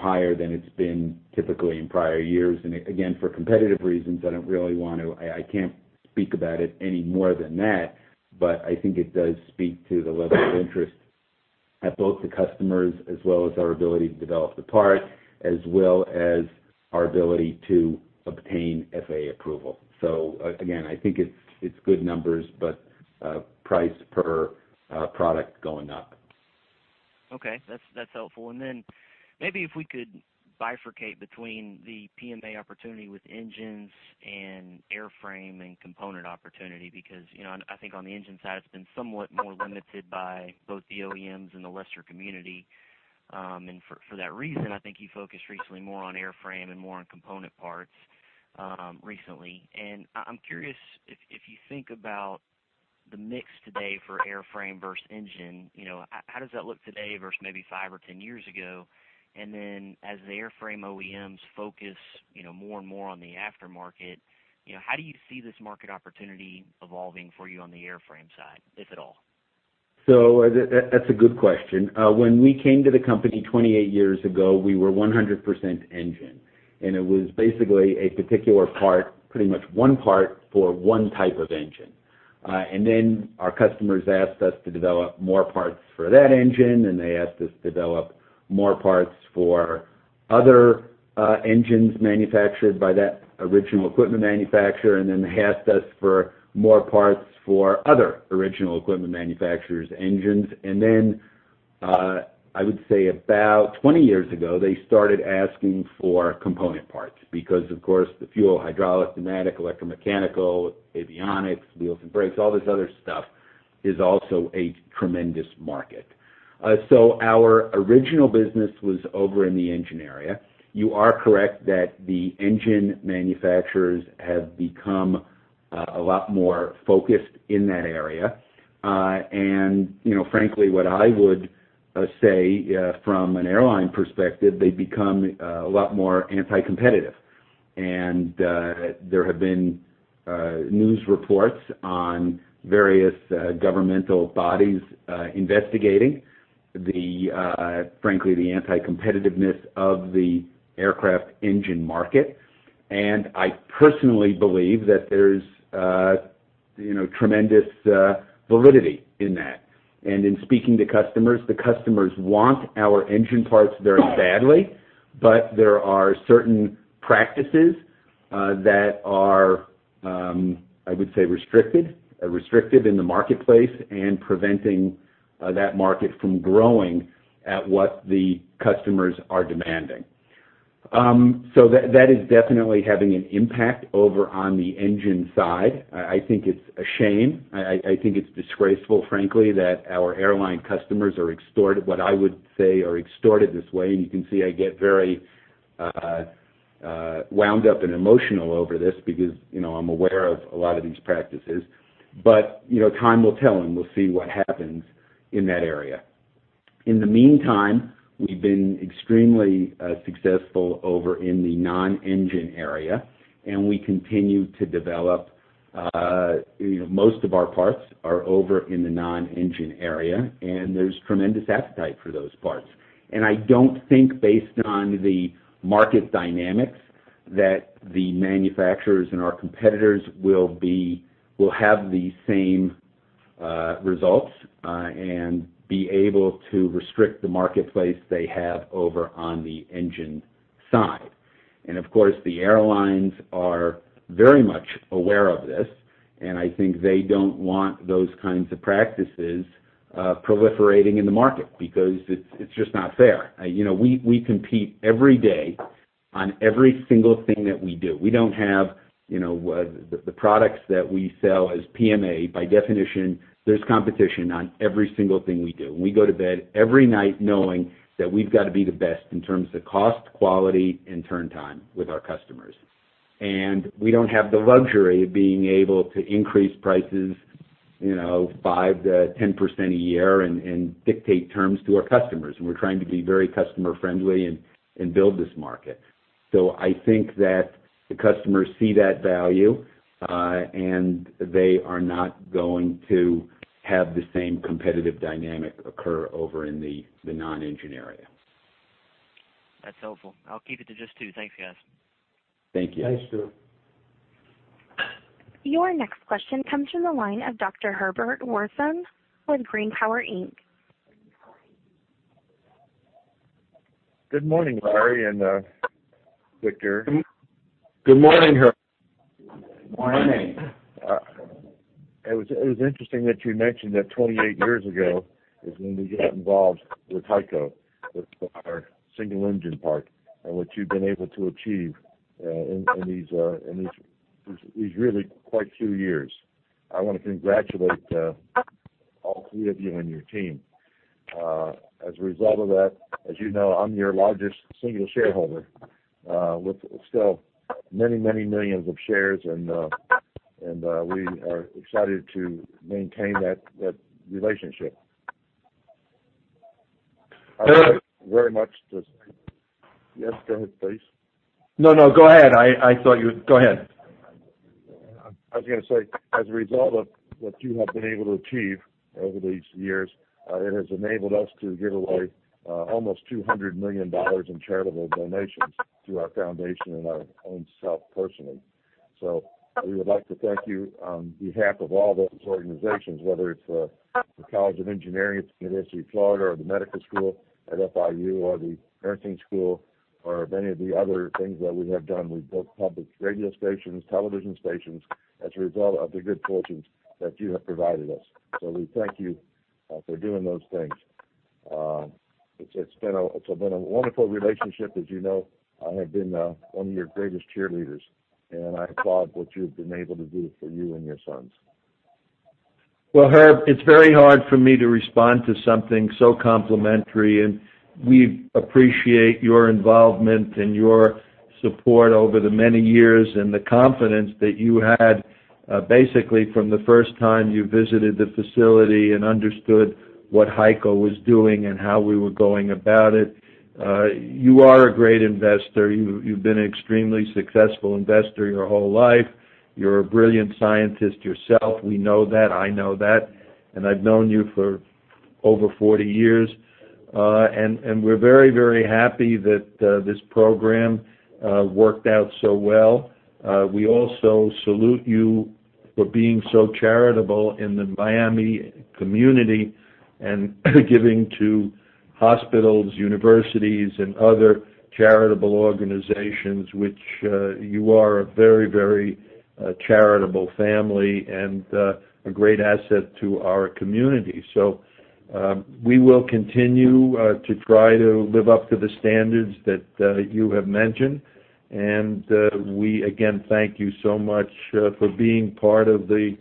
higher than it's been typically in prior years. Again, for competitive reasons, I can't speak about it any more than that, but I think it does speak to the level of interest at both the customers as well as our ability to develop the part, as well as our ability to obtain FAA approval. Again, I think it's good numbers, but price per product going up. Okay. That's helpful. Then maybe if we could bifurcate between the PMA opportunity with engines and airframe and component opportunity, because I think on the engine side, it's been somewhat more limited by both the OEMs and the lesser community. For that reason, I think you focused recently more on airframe and more on component parts recently. I'm curious if you think about the mix today for airframe versus engine, how does that look today versus maybe five or 10 years ago? Then as the airframe OEMs focus more and more on the aftermarket, how do you see this market opportunity evolving for you on the airframe side, if at all? That's a good question. When we came to the company 28 years ago, we were 100% engine, and it was basically a particular part, pretty much one part for one type of engine. Then our customers asked us to develop more parts for that engine, and they asked us to develop more parts for other engines manufactured by that original equipment manufacturer, and then they asked us for more parts for other original equipment manufacturers' engines. Then, I would say about 20 years ago, they started asking for component parts because, of course, the fuel, hydraulic, pneumatic, electromechanical, avionics, wheels and brakes, all this other stuff, is also a tremendous market. Our original business was over in the engine area. You are correct that the engine manufacturers have become a lot more focused in that area. Frankly, what I would say from an airline perspective, they've become a lot more anti-competitive. There have been news reports on various governmental bodies investigating, frankly, the anti-competitiveness of the aircraft engine market. I personally believe that there's tremendous validity in that. In speaking to customers, the customers want our engine parts very badly, but there are certain practices that are, I would say, restrictive in the marketplace and preventing that market from growing at what the customers are demanding. That is definitely having an impact over on the engine side. I think it's a shame. I think it's disgraceful, frankly, that our airline customers, what I would say, are extorted this way. You can see I get very wound up and emotional over this because I'm aware of a lot of these practices. Time will tell, and we'll see what happens in that area. In the meantime, we've been extremely successful over in the non-engine area, and we continue to develop. Most of our parts are over in the non-engine area, and there's tremendous appetite for those parts. I don't think based on the market dynamics, that the manufacturers and our competitors will have the same results and be able to restrict the marketplace they have over on the engine side. Of course, the airlines are very much aware of this, and I think they don't want those kinds of practices proliferating in the market because it's just not fair. We compete every day on every single thing that we do. The products that we sell as PMA, by definition, there's competition on every single thing we do. We go to bed every night knowing that we've got to be the best in terms of cost, quality, and turn time with our customers. We don't have the luxury of being able to increase prices 5%-10% a year and dictate terms to our customers. We're trying to be very customer friendly and build this market. I think that the customers see that value, and they are not going to have the same competitive dynamic occur over in the non-engine area. That's helpful. I'll keep it to just two. Thanks, guys. Thank you. Thanks, Drew. Your next question comes from the line of Dr. Herbert Wertheim with Brain Power Inc. Good morning, Larry and Victor. Good morning, Herb. Morning. It was interesting that you mentioned that 28 years ago is when we got involved with HEICO, with our single engine part, and what you've been able to achieve in these really quite few years. I want to congratulate all three of you and your team. As a result of that, as you know, I'm your largest single shareholder, with still many millions of shares, and we are excited to maintain that relationship. Herb. Very much the same. Yes, go ahead, please. No, go ahead. I thought you would. Go ahead. I was going to say, as a result of what you have been able to achieve over these years, it has enabled us to give away almost $200 million in charitable donations through our foundation and our own self personally. We would like to thank you on behalf of all those organizations, whether it's the College of Engineering at the University of Florida or the medical school at FIU or the nursing school or of any of the other things that we have done. We built public radio stations, television stations as a result of the good fortunes that you have provided us. We thank you for doing those things. It's been a wonderful relationship. As you know, I have been one of your greatest cheerleaders, and I applaud what you've been able to do for you and your sons. Well, Herb, it's very hard for me to respond to something so complimentary. We appreciate your involvement and your support over the many years and the confidence that you had, basically from the first time you visited the facility and understood what HEICO was doing and how we were going about it. You are a great investor. You've been an extremely successful investor your whole life. You're a brilliant scientist yourself. We know that. I know that, and I've known you for over 40 years. We're very happy that this program worked out so well. We also salute you for being so charitable in the Miami community and giving to hospitals, universities, and other charitable organizations, which you are a very charitable family and a great asset to our community. We will continue to try to live up to the standards that you have mentioned. We, again, thank you so much for being part of the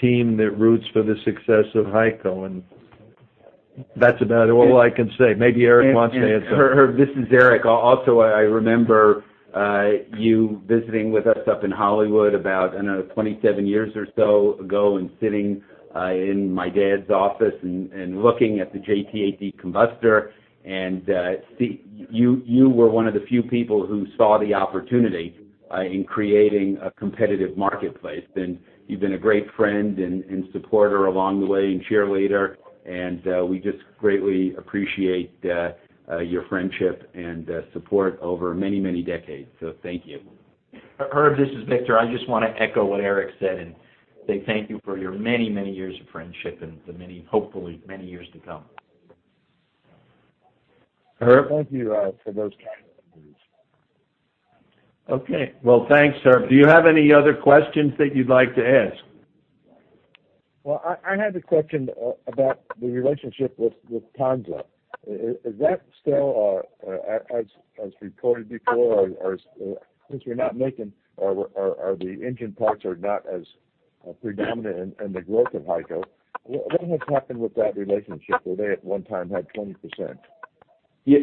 team that roots for the success of HEICO, and that's about all I can say. Maybe Eric wants to add something. Herb, this is Eric. I remember you visiting with us up in Hollywood about, I don't know, 27 years or so ago, sitting in my dad's office and looking at the JT8D combustor. You were one of the few people who saw the opportunity in creating a competitive marketplace. You've been a great friend and supporter along the way and cheerleader. We just greatly appreciate your friendship and support over many decades. Thank you. Herb, this is Victor. I just want to echo what Eric said and say thank you for your many years of friendship and the many, hopefully, many years to come. Herb? Thank you for those kind words. Okay. Well, thanks, Herb. Do you have any other questions that you'd like to ask? Well, I had a question about the relationship with Lufthansa. Is that still, as reported before, or the engine parts are not as predominant in the growth of HEICO, what has happened with that relationship, where they at one time had 20%?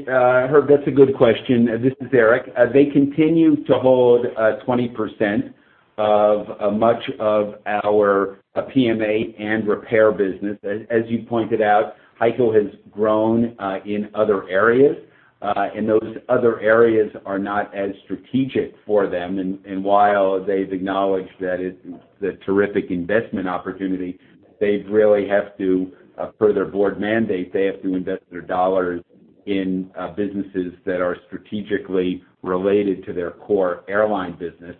Herb, that's a good question. This is Eric. They continue to hold 20% of much of our PMA and repair business. As you pointed out, HEICO has grown in other areas, and those other areas are not as strategic for them. While they've acknowledged that it's a terrific investment opportunity, they really have to, per their board mandate, they have to invest their dollars in businesses that are strategically related to their core airline business.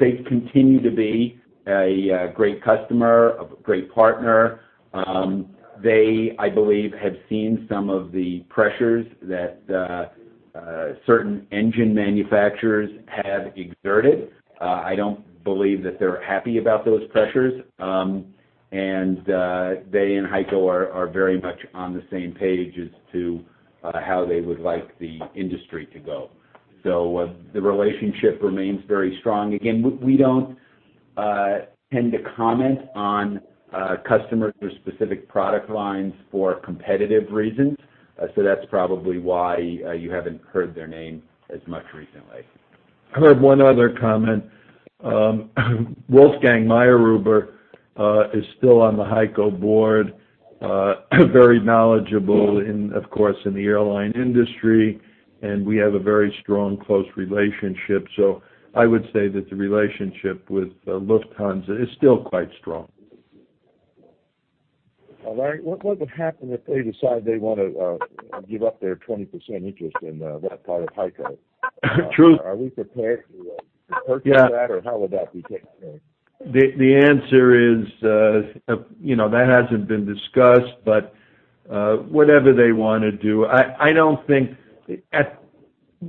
They continue to be a great customer, a great partner. They, I believe, have seen some of the pressures that certain engine manufacturers have exerted. I don't believe that they're happy about those pressures. They and HEICO are very much on the same page as to how they would like the industry to go. The relationship remains very strong. Again, we don't tend to comment on customers or specific product lines for competitive reasons. That's probably why you haven't heard their name as much recently. Herb, one other comment. Wolfgang Mayrhuber is still on the HEICO Board, very knowledgeable of course, in the airline industry. We have a very strong, close relationship. I would say that the relationship with Lufthansa is still quite strong. Larry, what would happen if they decide they want to give up their 20% interest in that part of HEICO? True. Are we prepared to purchase that, or how would that be taken care of? The answer is, that hasn't been discussed, but whatever they want to do. I don't think.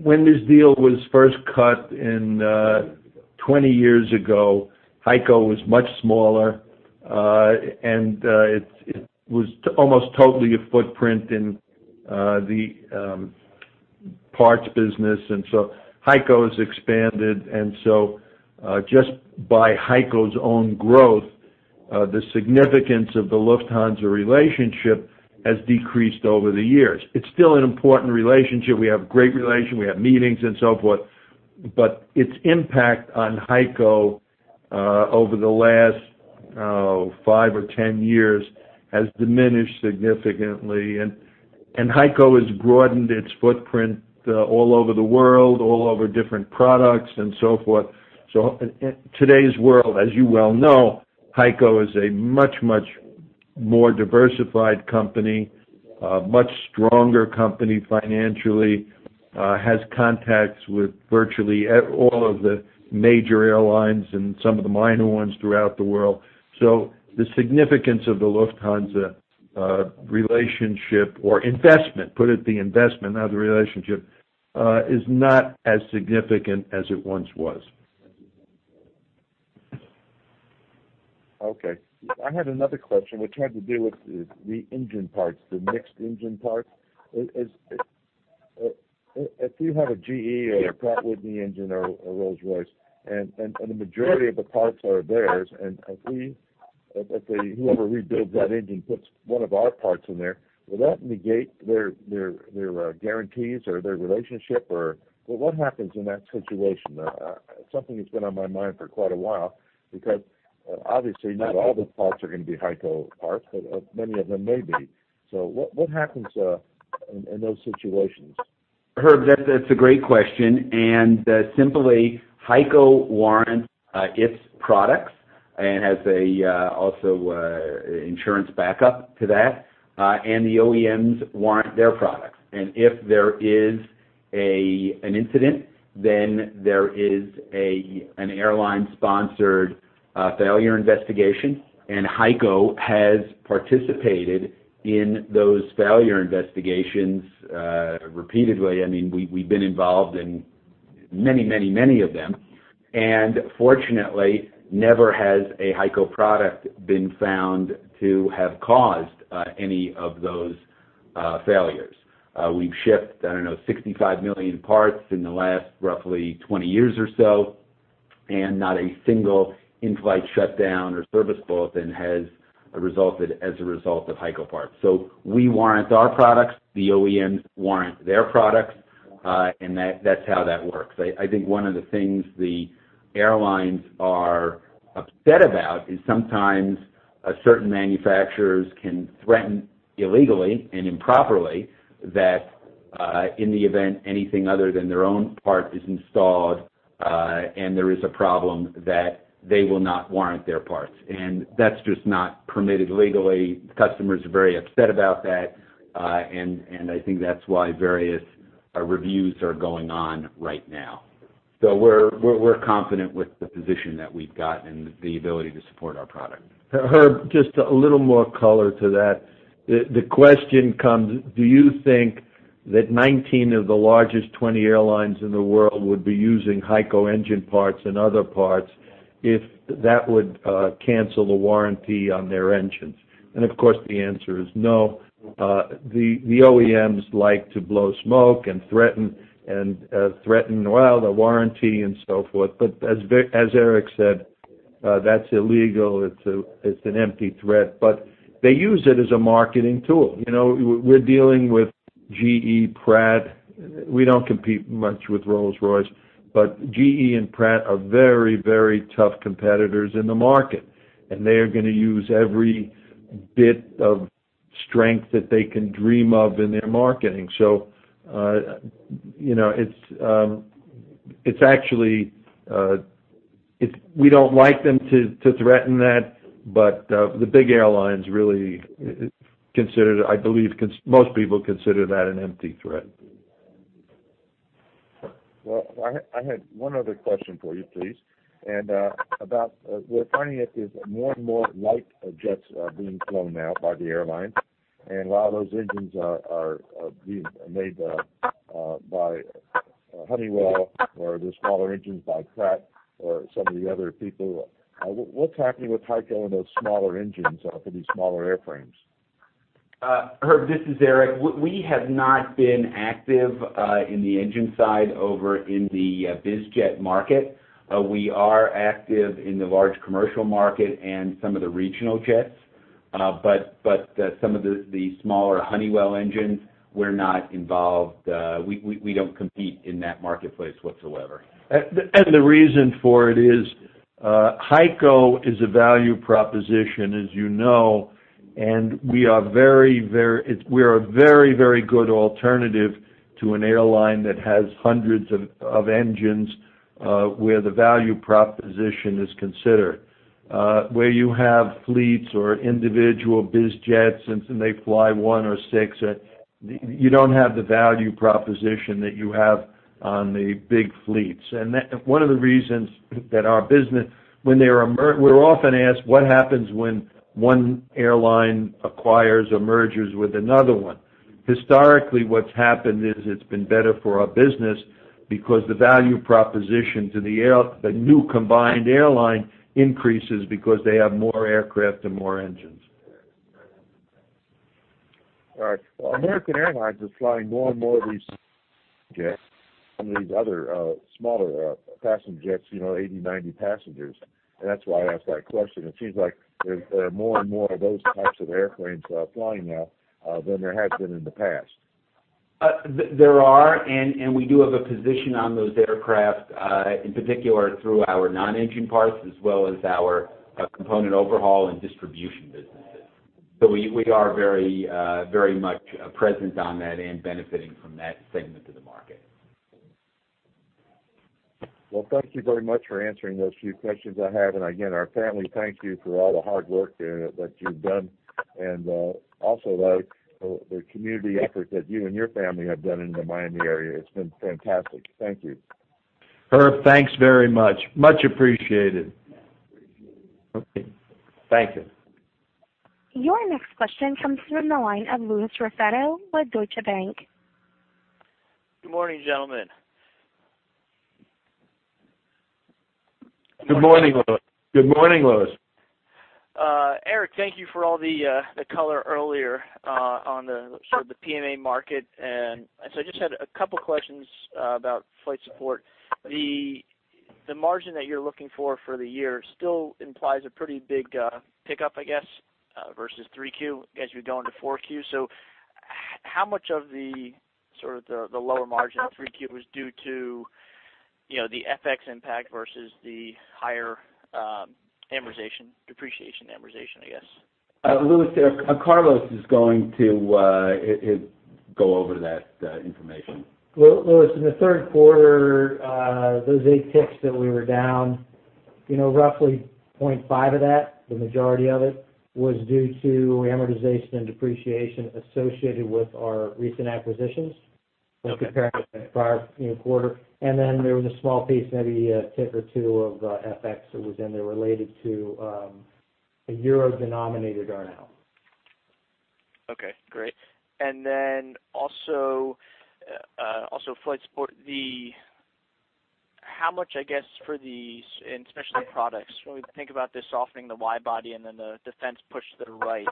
When this deal was first cut 20 years ago, HEICO was much smaller, and it was almost totally a footprint in the parts business. HEICO has expanded, just by HEICO's own growth, the significance of the Lufthansa relationship has decreased over the years. It's still an important relationship. We have great relation, we have meetings and so forth, but its impact on HEICO over the last five or 10 years has diminished significantly. HEICO has broadened its footprint all over the world, all over different products and so forth. In today's world, as you well know, HEICO is a much more diversified company, a much stronger company financially, has contacts with virtually all of the major airlines and some of the minor ones throughout the world. The significance of the Lufthansa relationship or investment, put it the investment, not the relationship, is not as significant as it once was. Okay. I had another question which had to do with the engine parts, the mixed engine parts. If you have a GE or a Pratt & Whitney engine or a Rolls-Royce, and the majority of the parts are theirs, and if whoever rebuilds that engine puts one of our parts in there, will that negate their guarantees or their relationship, or what happens in that situation? Something that's been on my mind for quite a while, because obviously not all the parts are going to be HEICO parts, but many of them may be. What happens in those situations? Herb, that's a great question. Simply, HEICO warrants its products and has also insurance backup to that. The OEMs warrant their products. If there is an incident, there is an airline-sponsored failure investigation. HEICO has participated in those failure investigations repeatedly. We've been involved in many of them, and fortunately, never has a HEICO product been found to have caused any of those failures. We've shipped, I don't know, 65 million parts in the last roughly 20 years or so. Not a single in-flight shutdown or service bulletin has resulted as a result of HEICO parts. We warrant our products, the OEMs warrant their products, and that's how that works. I think one of the things the airlines are upset about is sometimes certain manufacturers can threaten illegally and improperly that in the event anything other than their own part is installed, and there is a problem, that they will not warrant their parts, and that's just not permitted legally. Customers are very upset about that, and I think that's why various reviews are going on right now. We're confident with the position that we've got and the ability to support our product. Herb, just a little more color to that. The question comes, do you think that 19 of the largest 20 airlines in the world would be using HEICO engine parts and other parts if that would cancel the warranty on their engines? Of course, the answer is no. The OEMs like to blow smoke and threaten, "Well, the warranty," and so forth. As Eric said, that's illegal. It's an empty threat, but they use it as a marketing tool. We're dealing with GE, Pratt. We don't compete much with Rolls-Royce. GE and Pratt are very, very tough competitors in the market. They are going to use every bit of strength that they can dream of in their marketing. We don't like them to threaten that, but the big airlines really, I believe most people consider that an empty threat. I had one other question for you, please. About, we're finding that there's more and more light jets are being flown now by the airlines. A lot of those engines are being made by Honeywell or the smaller engines by Pratt or some of the other people. What's happening with HEICO and those smaller engines for these smaller airframes? Herb, this is Eric. We have not been active in the engine side over in the biz jet market. We are active in the large commercial market and some of the regional jets. Some of the smaller Honeywell engines, we're not involved. We don't compete in that marketplace whatsoever. The reason for it is, HEICO is a value proposition, as you know, and we are a very, very good alternative to an airline that has hundreds of engines, where the value proposition is considered. Where you have fleets or individual biz jets, and they fly one or six, you don't have the value proposition that you have on the big fleets. One of the reasons that our business, we're often asked what happens when one airline acquires or merges with another one. Historically, what's happened is it's been better for our business because the value proposition to the new combined airline increases because they have more aircraft and more engines. All right. American Airlines is flying more and more of these jets and these other smaller passenger jets, 80, 90 passengers. That's why I asked that question. It seems like there are more and more of those types of airframes flying now than there has been in the past. There are, we do have a position on those aircraft, in particular, through our non-engine parts, as well as our component overhaul and distribution businesses. We are very much present on that and benefitting from that segment of the market. Well, thank you very much for answering those few questions I have. Again, our family thanks you for all the hard work that you've done, and also the community effort that you and your family have done in the Miami area. It's been fantastic. Thank you. Herb, thanks very much. Much appreciated. Okay. Thank you. Your next question comes from the line of Louis Raffetto with Deutsche Bank. Good morning, gentlemen. Good morning, Louis. Eric, thank you for all the color earlier on the sort of the PMA market. I just had a couple questions about Flight Support. The margin that you're looking for the year still implies a pretty big pickup, I guess, versus Q3 as you go into Q4. How much of the sort of the lower margin in Q3 was due to the FX impact versus the higher depreciation and amortization, I guess? Louis, Carlos is going to go over that information. Louis, in the third quarter, those eight ticks that we were down, roughly 0.5 of that, the majority of it, was due to amortization and depreciation associated with our recent acquisitions as compared to the prior quarter. Then there was a small piece, maybe a tick or two of FX that was in there related to a EUR-denominated earn-out. Okay, great. Then also, Flight Support, how much, I guess, for these, and Specialty Products, when we think about this softening the wide body then the defense push to the right,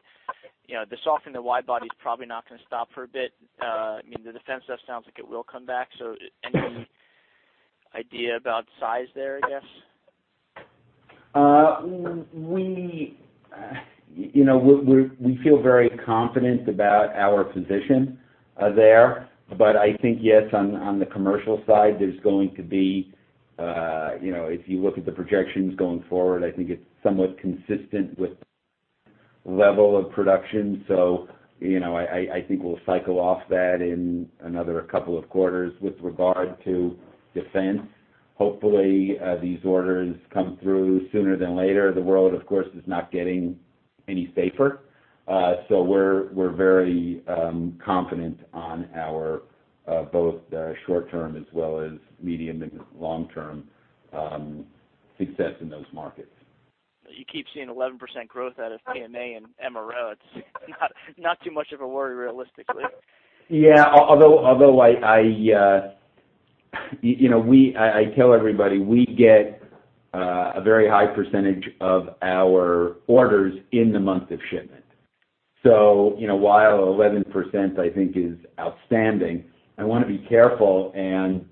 the softening the wide body's probably not going to stop for a bit. I mean, the defense does sound like it will come back, any idea about size there, I guess? We feel very confident about our position there. I think, yes, on the commercial side, there's going to be, if you look at the projections going forward, I think it's somewhat consistent with level of production. I think we'll cycle off that in another couple of quarters with regard to defense. Hopefully, these orders come through sooner than later. The world, of course, is not getting any safer. We're very confident on our both short-term as well as medium and long-term success in those markets. You keep seeing 11% growth out of PMA and MRO. It's not too much of a worry, realistically. Yeah, although I tell everybody, we get a very high percentage of our orders in the month of shipment. While 11%, I think, is outstanding, I want to be careful, and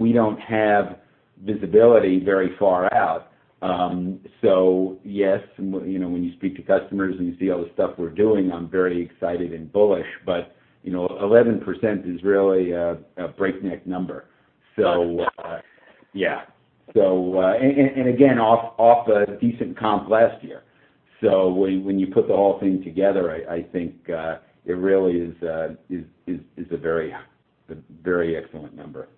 we don't have visibility very far out. Yes, when you speak to customers and you see all the stuff we're doing, I'm very excited and bullish, but 11% is really a breakneck number. Yeah. Again, off a decent comp last year. When you put the whole thing together, I think it really is a very excellent number.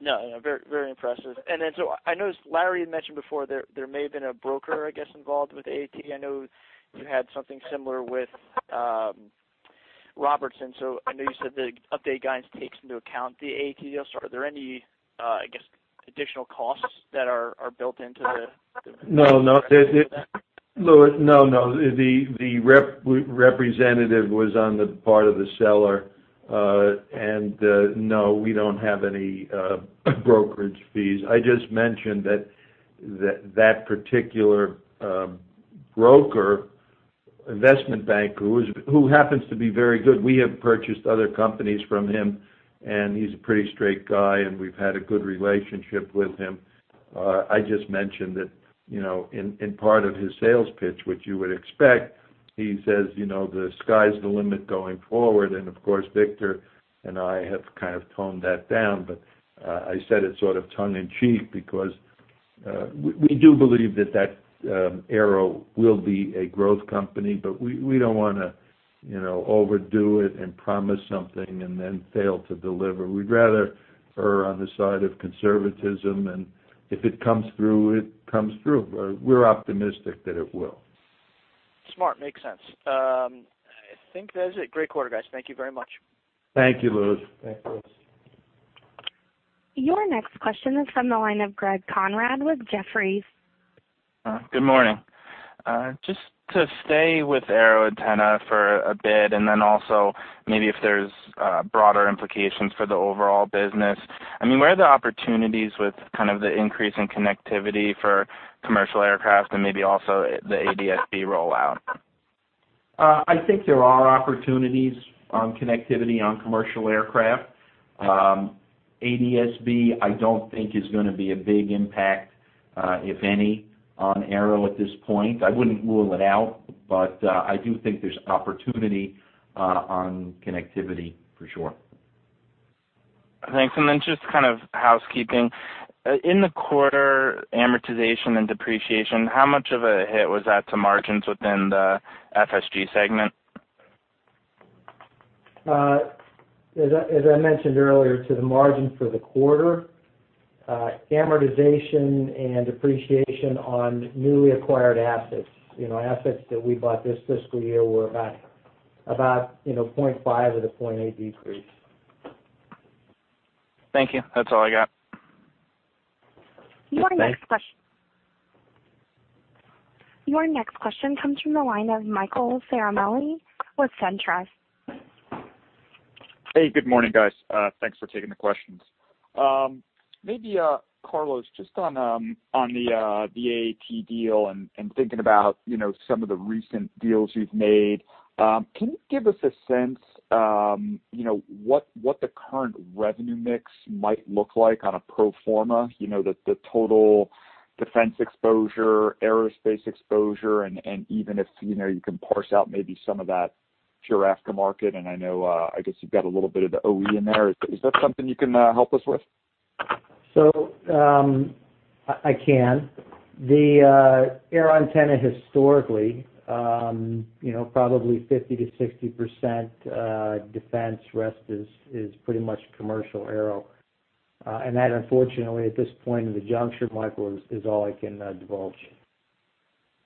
No, very impressive. I noticed Larry had mentioned before there may have been a broker, I guess, involved with the AAT. I know you had something similar with Robertson. I know you said the update guidance takes into account the AAT deal. Are there any, I guess, additional costs that are built into the- No. Louis, no. The representative was on the part of the seller. No, we don't have any brokerage fees. I just mentioned that that particular broker, investment banker, who happens to be very good, we have purchased other companies from him, and he's a pretty straight guy, and we've had a good relationship with him. I just mentioned that in part of his sales pitch, which you would expect, he says, "The sky's the limit going forward." Of course, Victor and I have kind of toned that down, but I said it sort of tongue in cheek because, we do believe that that Aero will be a growth company, but we don't want to overdo it and promise something and then fail to deliver. We'd rather err on the side of conservatism, and if it comes through, it comes through. We're optimistic that it will. Smart. Makes sense. I think that is it. Great quarter, guys. Thank you very much. Thank you, Louis. Thanks, Louis. Your next question is from the line of Greg Konrad with Jefferies. Good morning. Just to stay with AeroAntenna for a bit, and then also maybe if there's broader implications for the overall business, I mean, where are the opportunities with kind of the increase in connectivity for commercial aircraft and maybe also the ADS-B rollout? I think there are opportunities on connectivity on commercial aircraft. ADS-B, I don't think is gonna be a big impact, if any, on Aero at this point. I wouldn't rule it out, I do think there's opportunity on connectivity, for sure. Thanks. Then just kind of housekeeping. In the quarter, amortization and depreciation, how much of a hit was that to margins within the FSG segment? As I mentioned earlier to the margin for the quarter, amortization and depreciation on newly acquired assets that we bought this fiscal year were about 0.5 of the 0.8 decrease. Thank you. That's all I got. Your next question. Thanks. Your next question comes from the line of Michael Ciarmoli with SunTrust. Hey, good morning, guys. Thanks for taking the questions. Maybe, Carlos, just on the AAT deal and thinking about some of the recent deals you've made, can you give us a sense what the current revenue mix might look like on a pro forma? The total defense exposure, aerospace exposure, and even if you can parse out maybe some of that pure aftermarket, and I know, I guess you've got a little bit of the OE in there. Is that something you can help us with? I can. The AeroAntenna historically, probably 50%-60%, defense, rest is pretty much commercial aero. That unfortunately, at this point in the juncture, Michael, is all I can divulge.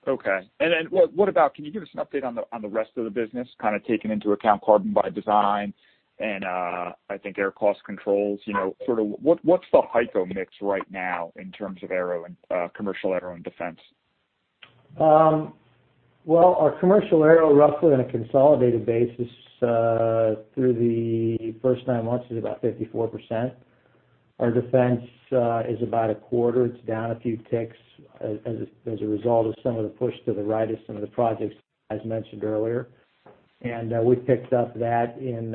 Okay. What about, can you give us an update on the rest of the business, kind of taking into account Carbon by Design and, I think Air Cost Control, sort of what's the HEICO mix right now in terms of commercial aero and defense? Well, our commercial aero roughly on a consolidated basis, through the first nine months is about 54%. Our defense is about a quarter. It's down a few ticks as a result of some of the push to the right of some of the projects as mentioned earlier. We've picked up that in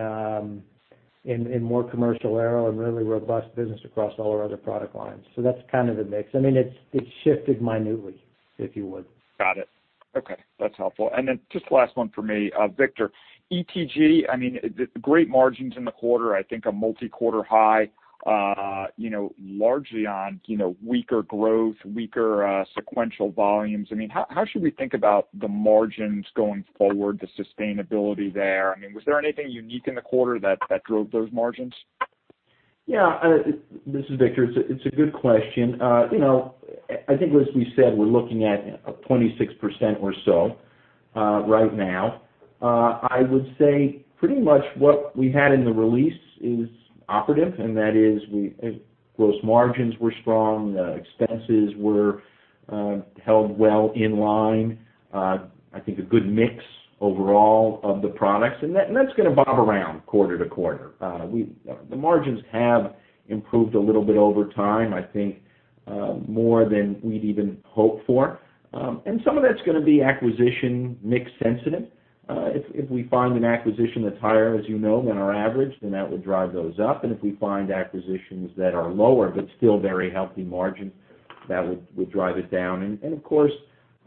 more commercial aero and really robust business across all our other product lines. That's kind of the mix. I mean, it's shifted minutely, if you would. Got it. Okay. That's helpful. Just last one for me, Victor. ETG, I mean, great margins in the quarter, I think a multi-quarter high, largely on weaker growth, weaker sequential volumes. I mean, how should we think about the margins going forward, the sustainability there? I mean, was there anything unique in the quarter that drove those margins? Yeah. This is Victor. It's a good question. I think as we said, we're looking at 26% or so right now. I would say pretty much what we had in the release is operative, and that is gross margins were strong, expenses were held well in line. I think a good mix overall of the products, and that's going to bob around quarter to quarter. The margins have improved a little bit over time, I think, more than we'd even hoped for. Some of that's going to be acquisition mix sensitive. If we find an acquisition that's higher, as you know, than our average, then that would drive those up. If we find acquisitions that are lower but still very healthy margin, that would drive it down. Of course,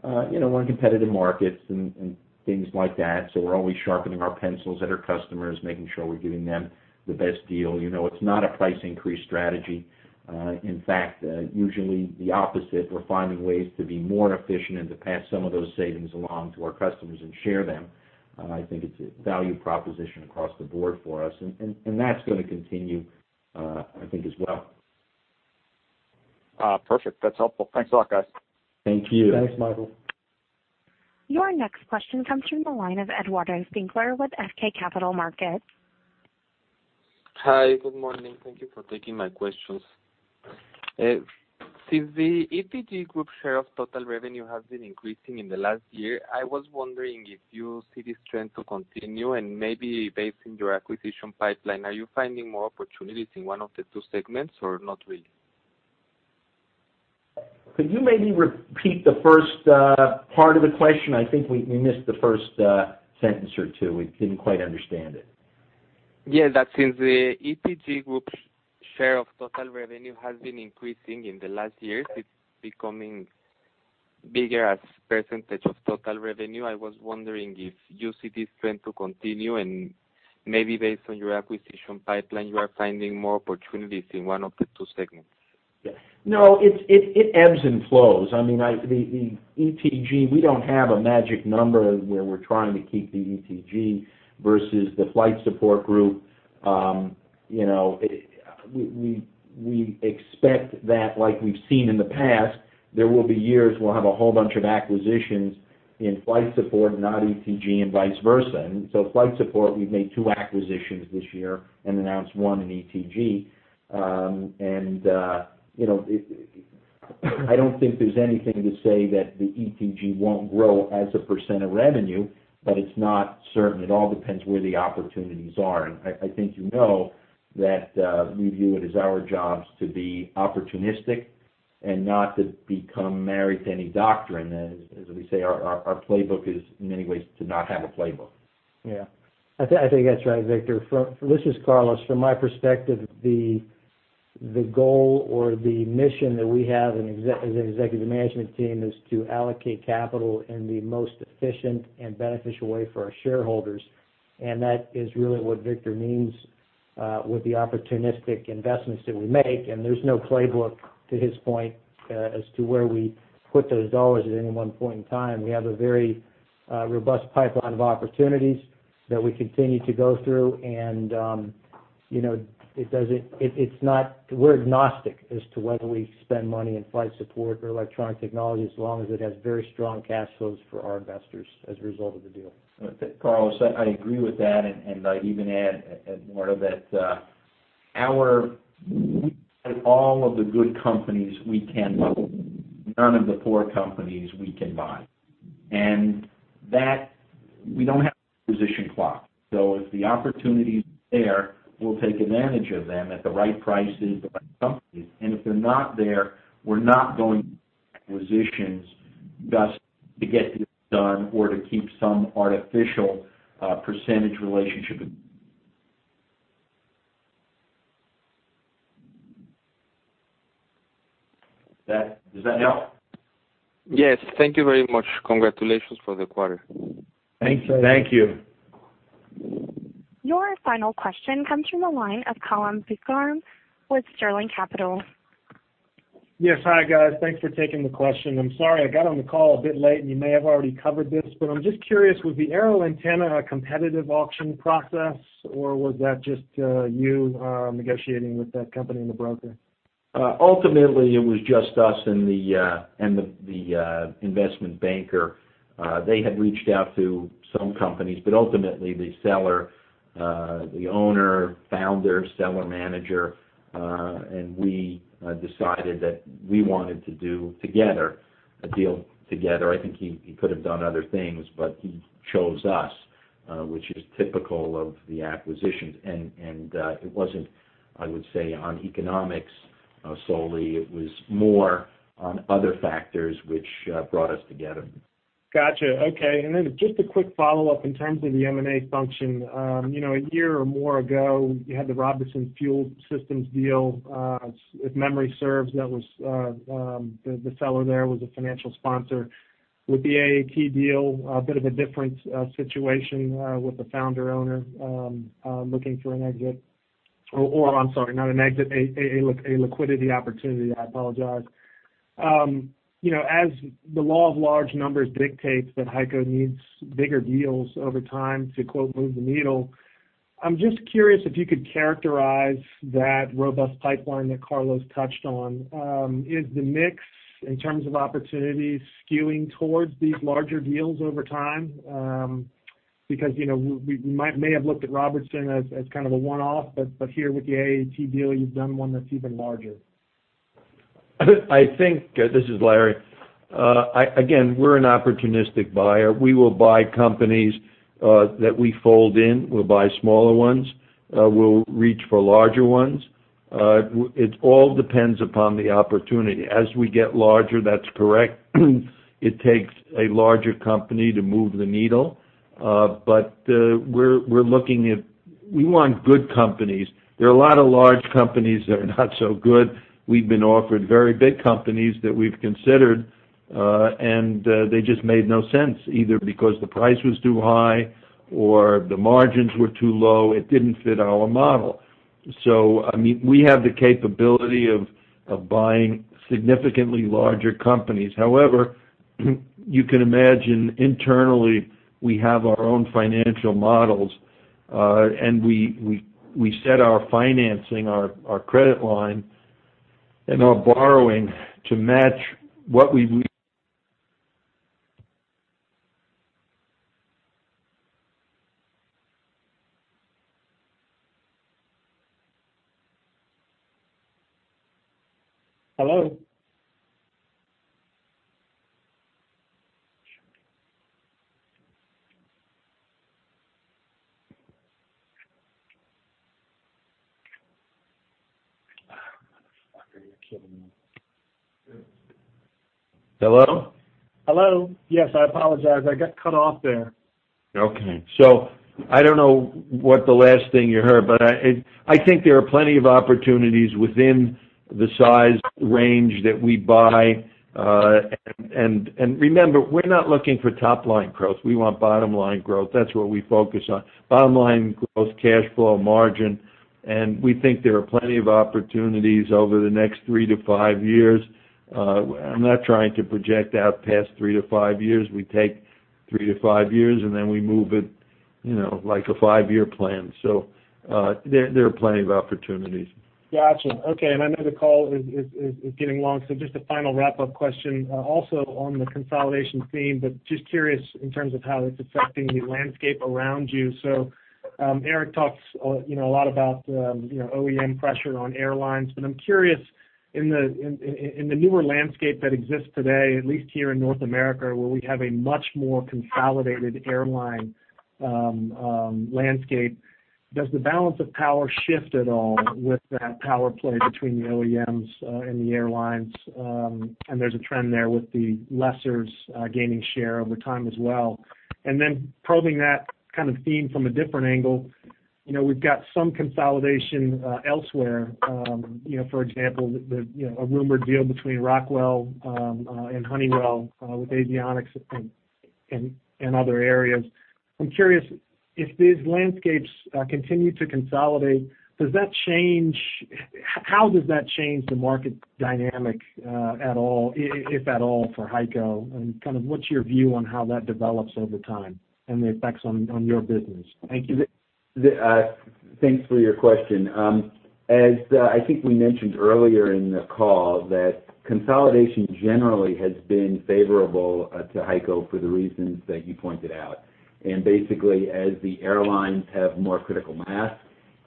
we're in competitive markets and things like that, we're always sharpening our pencils at our customers, making sure we're giving them the best deal. It's not a price increase strategy. In fact, usually the opposite. We're finding ways to be more efficient and to pass some of those savings along to our customers and share them. I think it's a value proposition across the board for us, and that's going to continue, I think, as well. Perfect. That's helpful. Thanks a lot, guys. Thank you. Thanks, Michael. Your next question comes from the line of Edward Spingarn with FK Capital Management. Hi. Good morning. Thank you for taking my questions. Since the ETG Group share of total revenue has been increasing in the last year, I was wondering if you see this trend to continue and maybe based on your acquisition pipeline, are you finding more opportunities in one of the two segments or not really? Could you maybe repeat the first part of the question? I think we missed the first sentence or two. We didn't quite understand it. Yeah, that since the ETG Group share of total revenue has been increasing in the last years, it's becoming bigger as percentage of total revenue. I was wondering if you see this trend to continue, and maybe based on your acquisition pipeline, you are finding more opportunities in one of the two segments. No, it ebbs and flows. The ETG, we don't have a magic number where we're trying to keep the ETG versus the Flight Support Group. We expect that, like we've seen in the past, there will be years we'll have a whole bunch of acquisitions in Flight Support, not ETG, and vice versa. Flight Support, we've made two acquisitions this year and announced one in ETG. I don't think there's anything to say that the ETG won't grow as a percent of revenue, but it's not certain. It all depends where the opportunities are. I think you know that we view it as our jobs to be opportunistic and not to become married to any doctrine. As we say, our playbook is in many ways to not have a playbook. Yeah. I think that's right, Victor. This is Carlos. From my perspective, the goal or the mission that we have as an executive management team is to allocate capital in the most efficient and beneficial way for our shareholders, that is really what Victor means, with the opportunistic investments that we make. There's no playbook, to his point, as to where we put those dollars at any one point in time. We have a very robust pipeline of opportunities that we continue to go through, and we're agnostic as to whether we spend money in Flight Support or Electronic Technology, as long as it has very strong cash flows for our investors as a result of the deal. Carlos, I agree with that, I'd even add, Edward, that we buy all of the good companies we can, none of the poor companies we can buy. We don't have an acquisition clock. If the opportunity's there, we'll take advantage of them at the right prices, the right companies, and if they're not there, we're not going to do acquisitions thus to get deals done or to keep some artificial percentage relationship. Does that help? Yes. Thank you very much. Congratulations for the quarter. Thanks. Thank you. Your final question comes from the line of Robert Spingarn with Sterling Capital. Yes. Hi, guys. Thanks for taking the question. I'm sorry, I got on the call a bit late, and you may have already covered this, but I'm just curious, was the AeroAntenna a competitive auction process, or was that just you negotiating with that company and the broker? Ultimately, it was just us and the investment banker. They had reached out to some companies, but ultimately the seller, the owner, founder, seller manager, and we decided that we wanted to do a deal together. I think he could have done other things, but he chose us, which is typical of the acquisitions. It wasn't, I would say, on economics solely. It was more on other factors which brought us together. Got you. Okay. Just a quick follow-up in terms of the M&A function. A year or more ago, you had the Robertson Fuel Systems deal. If memory serves, the seller there was a financial sponsor. With the AAT deal, a bit of a different situation, with the founder owner looking for an exit. Or I'm sorry, not an exit, a liquidity opportunity. I apologize. As the law of large numbers dictates that HEICO needs bigger deals over time to quote, "Move the needle," I'm just curious if you could characterize that robust pipeline that Carlos touched on. Is the mix, in terms of opportunities, skewing towards these larger deals over time? Because we may have looked at Robertson as kind of a one-off, but here with the AAT deal, you've done one that's even larger. This is Larry. We're an opportunistic buyer. We will buy companies that we fold in. We'll buy smaller ones. We'll reach for larger ones. It all depends upon the opportunity. As we get larger, that's correct. It takes a larger company to move the needle. We want good companies. There are a lot of large companies that are not so good. We've been offered very big companies that we've considered, and they just made no sense, either because the price was too high or the margins were too low. It didn't fit our model. We have the capability of buying significantly larger companies. However, you can imagine, internally, we have our own financial models, and we set our financing, our credit line, and our borrowing to match what we Hello? Motherfucker, you're kidding me. Hello? Hello. Yes, I apologize. I got cut off there. Okay. I don't know what the last thing you heard, but I think there are plenty of opportunities within the size range that we buy. Remember, we're not looking for top-line growth. We want bottom-line growth. That's what we focus on. Bottom line growth, cash flow, margin, and we think there are plenty of opportunities over the next three to five years. I'm not trying to project out past three to five years. We take three to five years, we move it like a five-year plan. There are plenty of opportunities. Got you. Okay, and I know the call is getting long, so just a final wrap-up question. Also on the consolidation theme, but just curious in terms of how it's affecting the landscape around you. Eric talks a lot about OEM pressure on airlines, but I'm curious in the newer landscape that exists today, at least here in North America, where we have a much more consolidated airline landscape, does the balance of power shift at all with that power play between the OEMs and the airlines? There's a trend there with the lessors gaining share over time as well. Probing that kind of theme from a different angle, we've got some consolidation elsewhere. For example, a rumored deal between Rockwell and Honeywell with avionics and other areas. I'm curious, if these landscapes continue to consolidate, how does that change the market dynamic at all, if at all, for HEICO, and what's your view on how that develops over time and the effects on your business? Thank you. Thanks for your question. As I think we mentioned earlier in the call, that consolidation generally has been favorable to HEICO for the reasons that you pointed out. Basically, as the airlines have more critical mass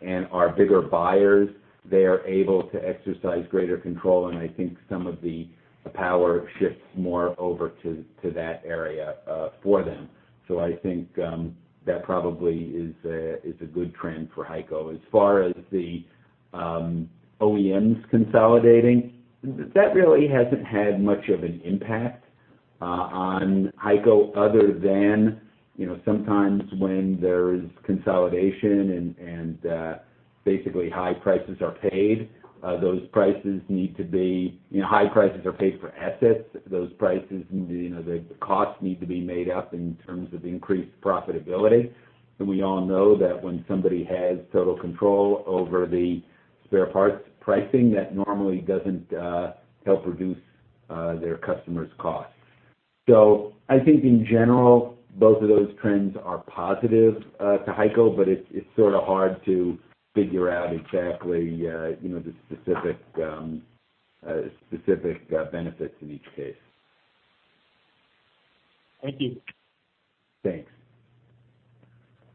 and are bigger buyers, they are able to exercise greater control, and I think some of the power shifts more over to that area for them. I think that probably is a good trend for HEICO. As far as the OEMs consolidating, that really hasn't had much of an impact on HEICO other than sometimes when there is consolidation and basically high prices are paid. High prices are paid for assets. The costs need to be made up in terms of increased profitability. We all know that when somebody has total control over the spare parts pricing, that normally doesn't help reduce their customer's cost. I think in general, both of those trends are positive to HEICO, but it's sort of hard to figure out exactly the specific benefits in each case. Thank you. Thanks.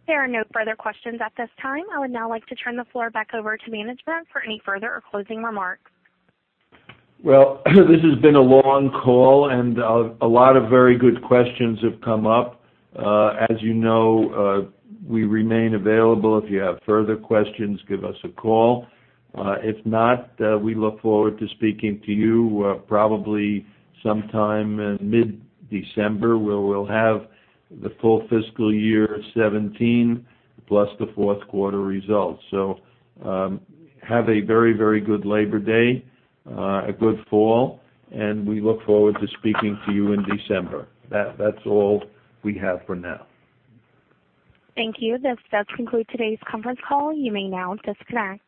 There are no further questions at this time. I would now like to turn the floor back over to management for any further or closing remarks. This has been a long call and a lot of very good questions have come up. As you know, we remain available. If you have further questions, give us a call. If not, we look forward to speaking to you probably sometime in mid-December, where we'll have the full fiscal year 2017 plus the fourth quarter results. Have a very good Labor Day, a good fall, and we look forward to speaking to you in December. That's all we have for now. Thank you. This does conclude today's conference call. You may now disconnect.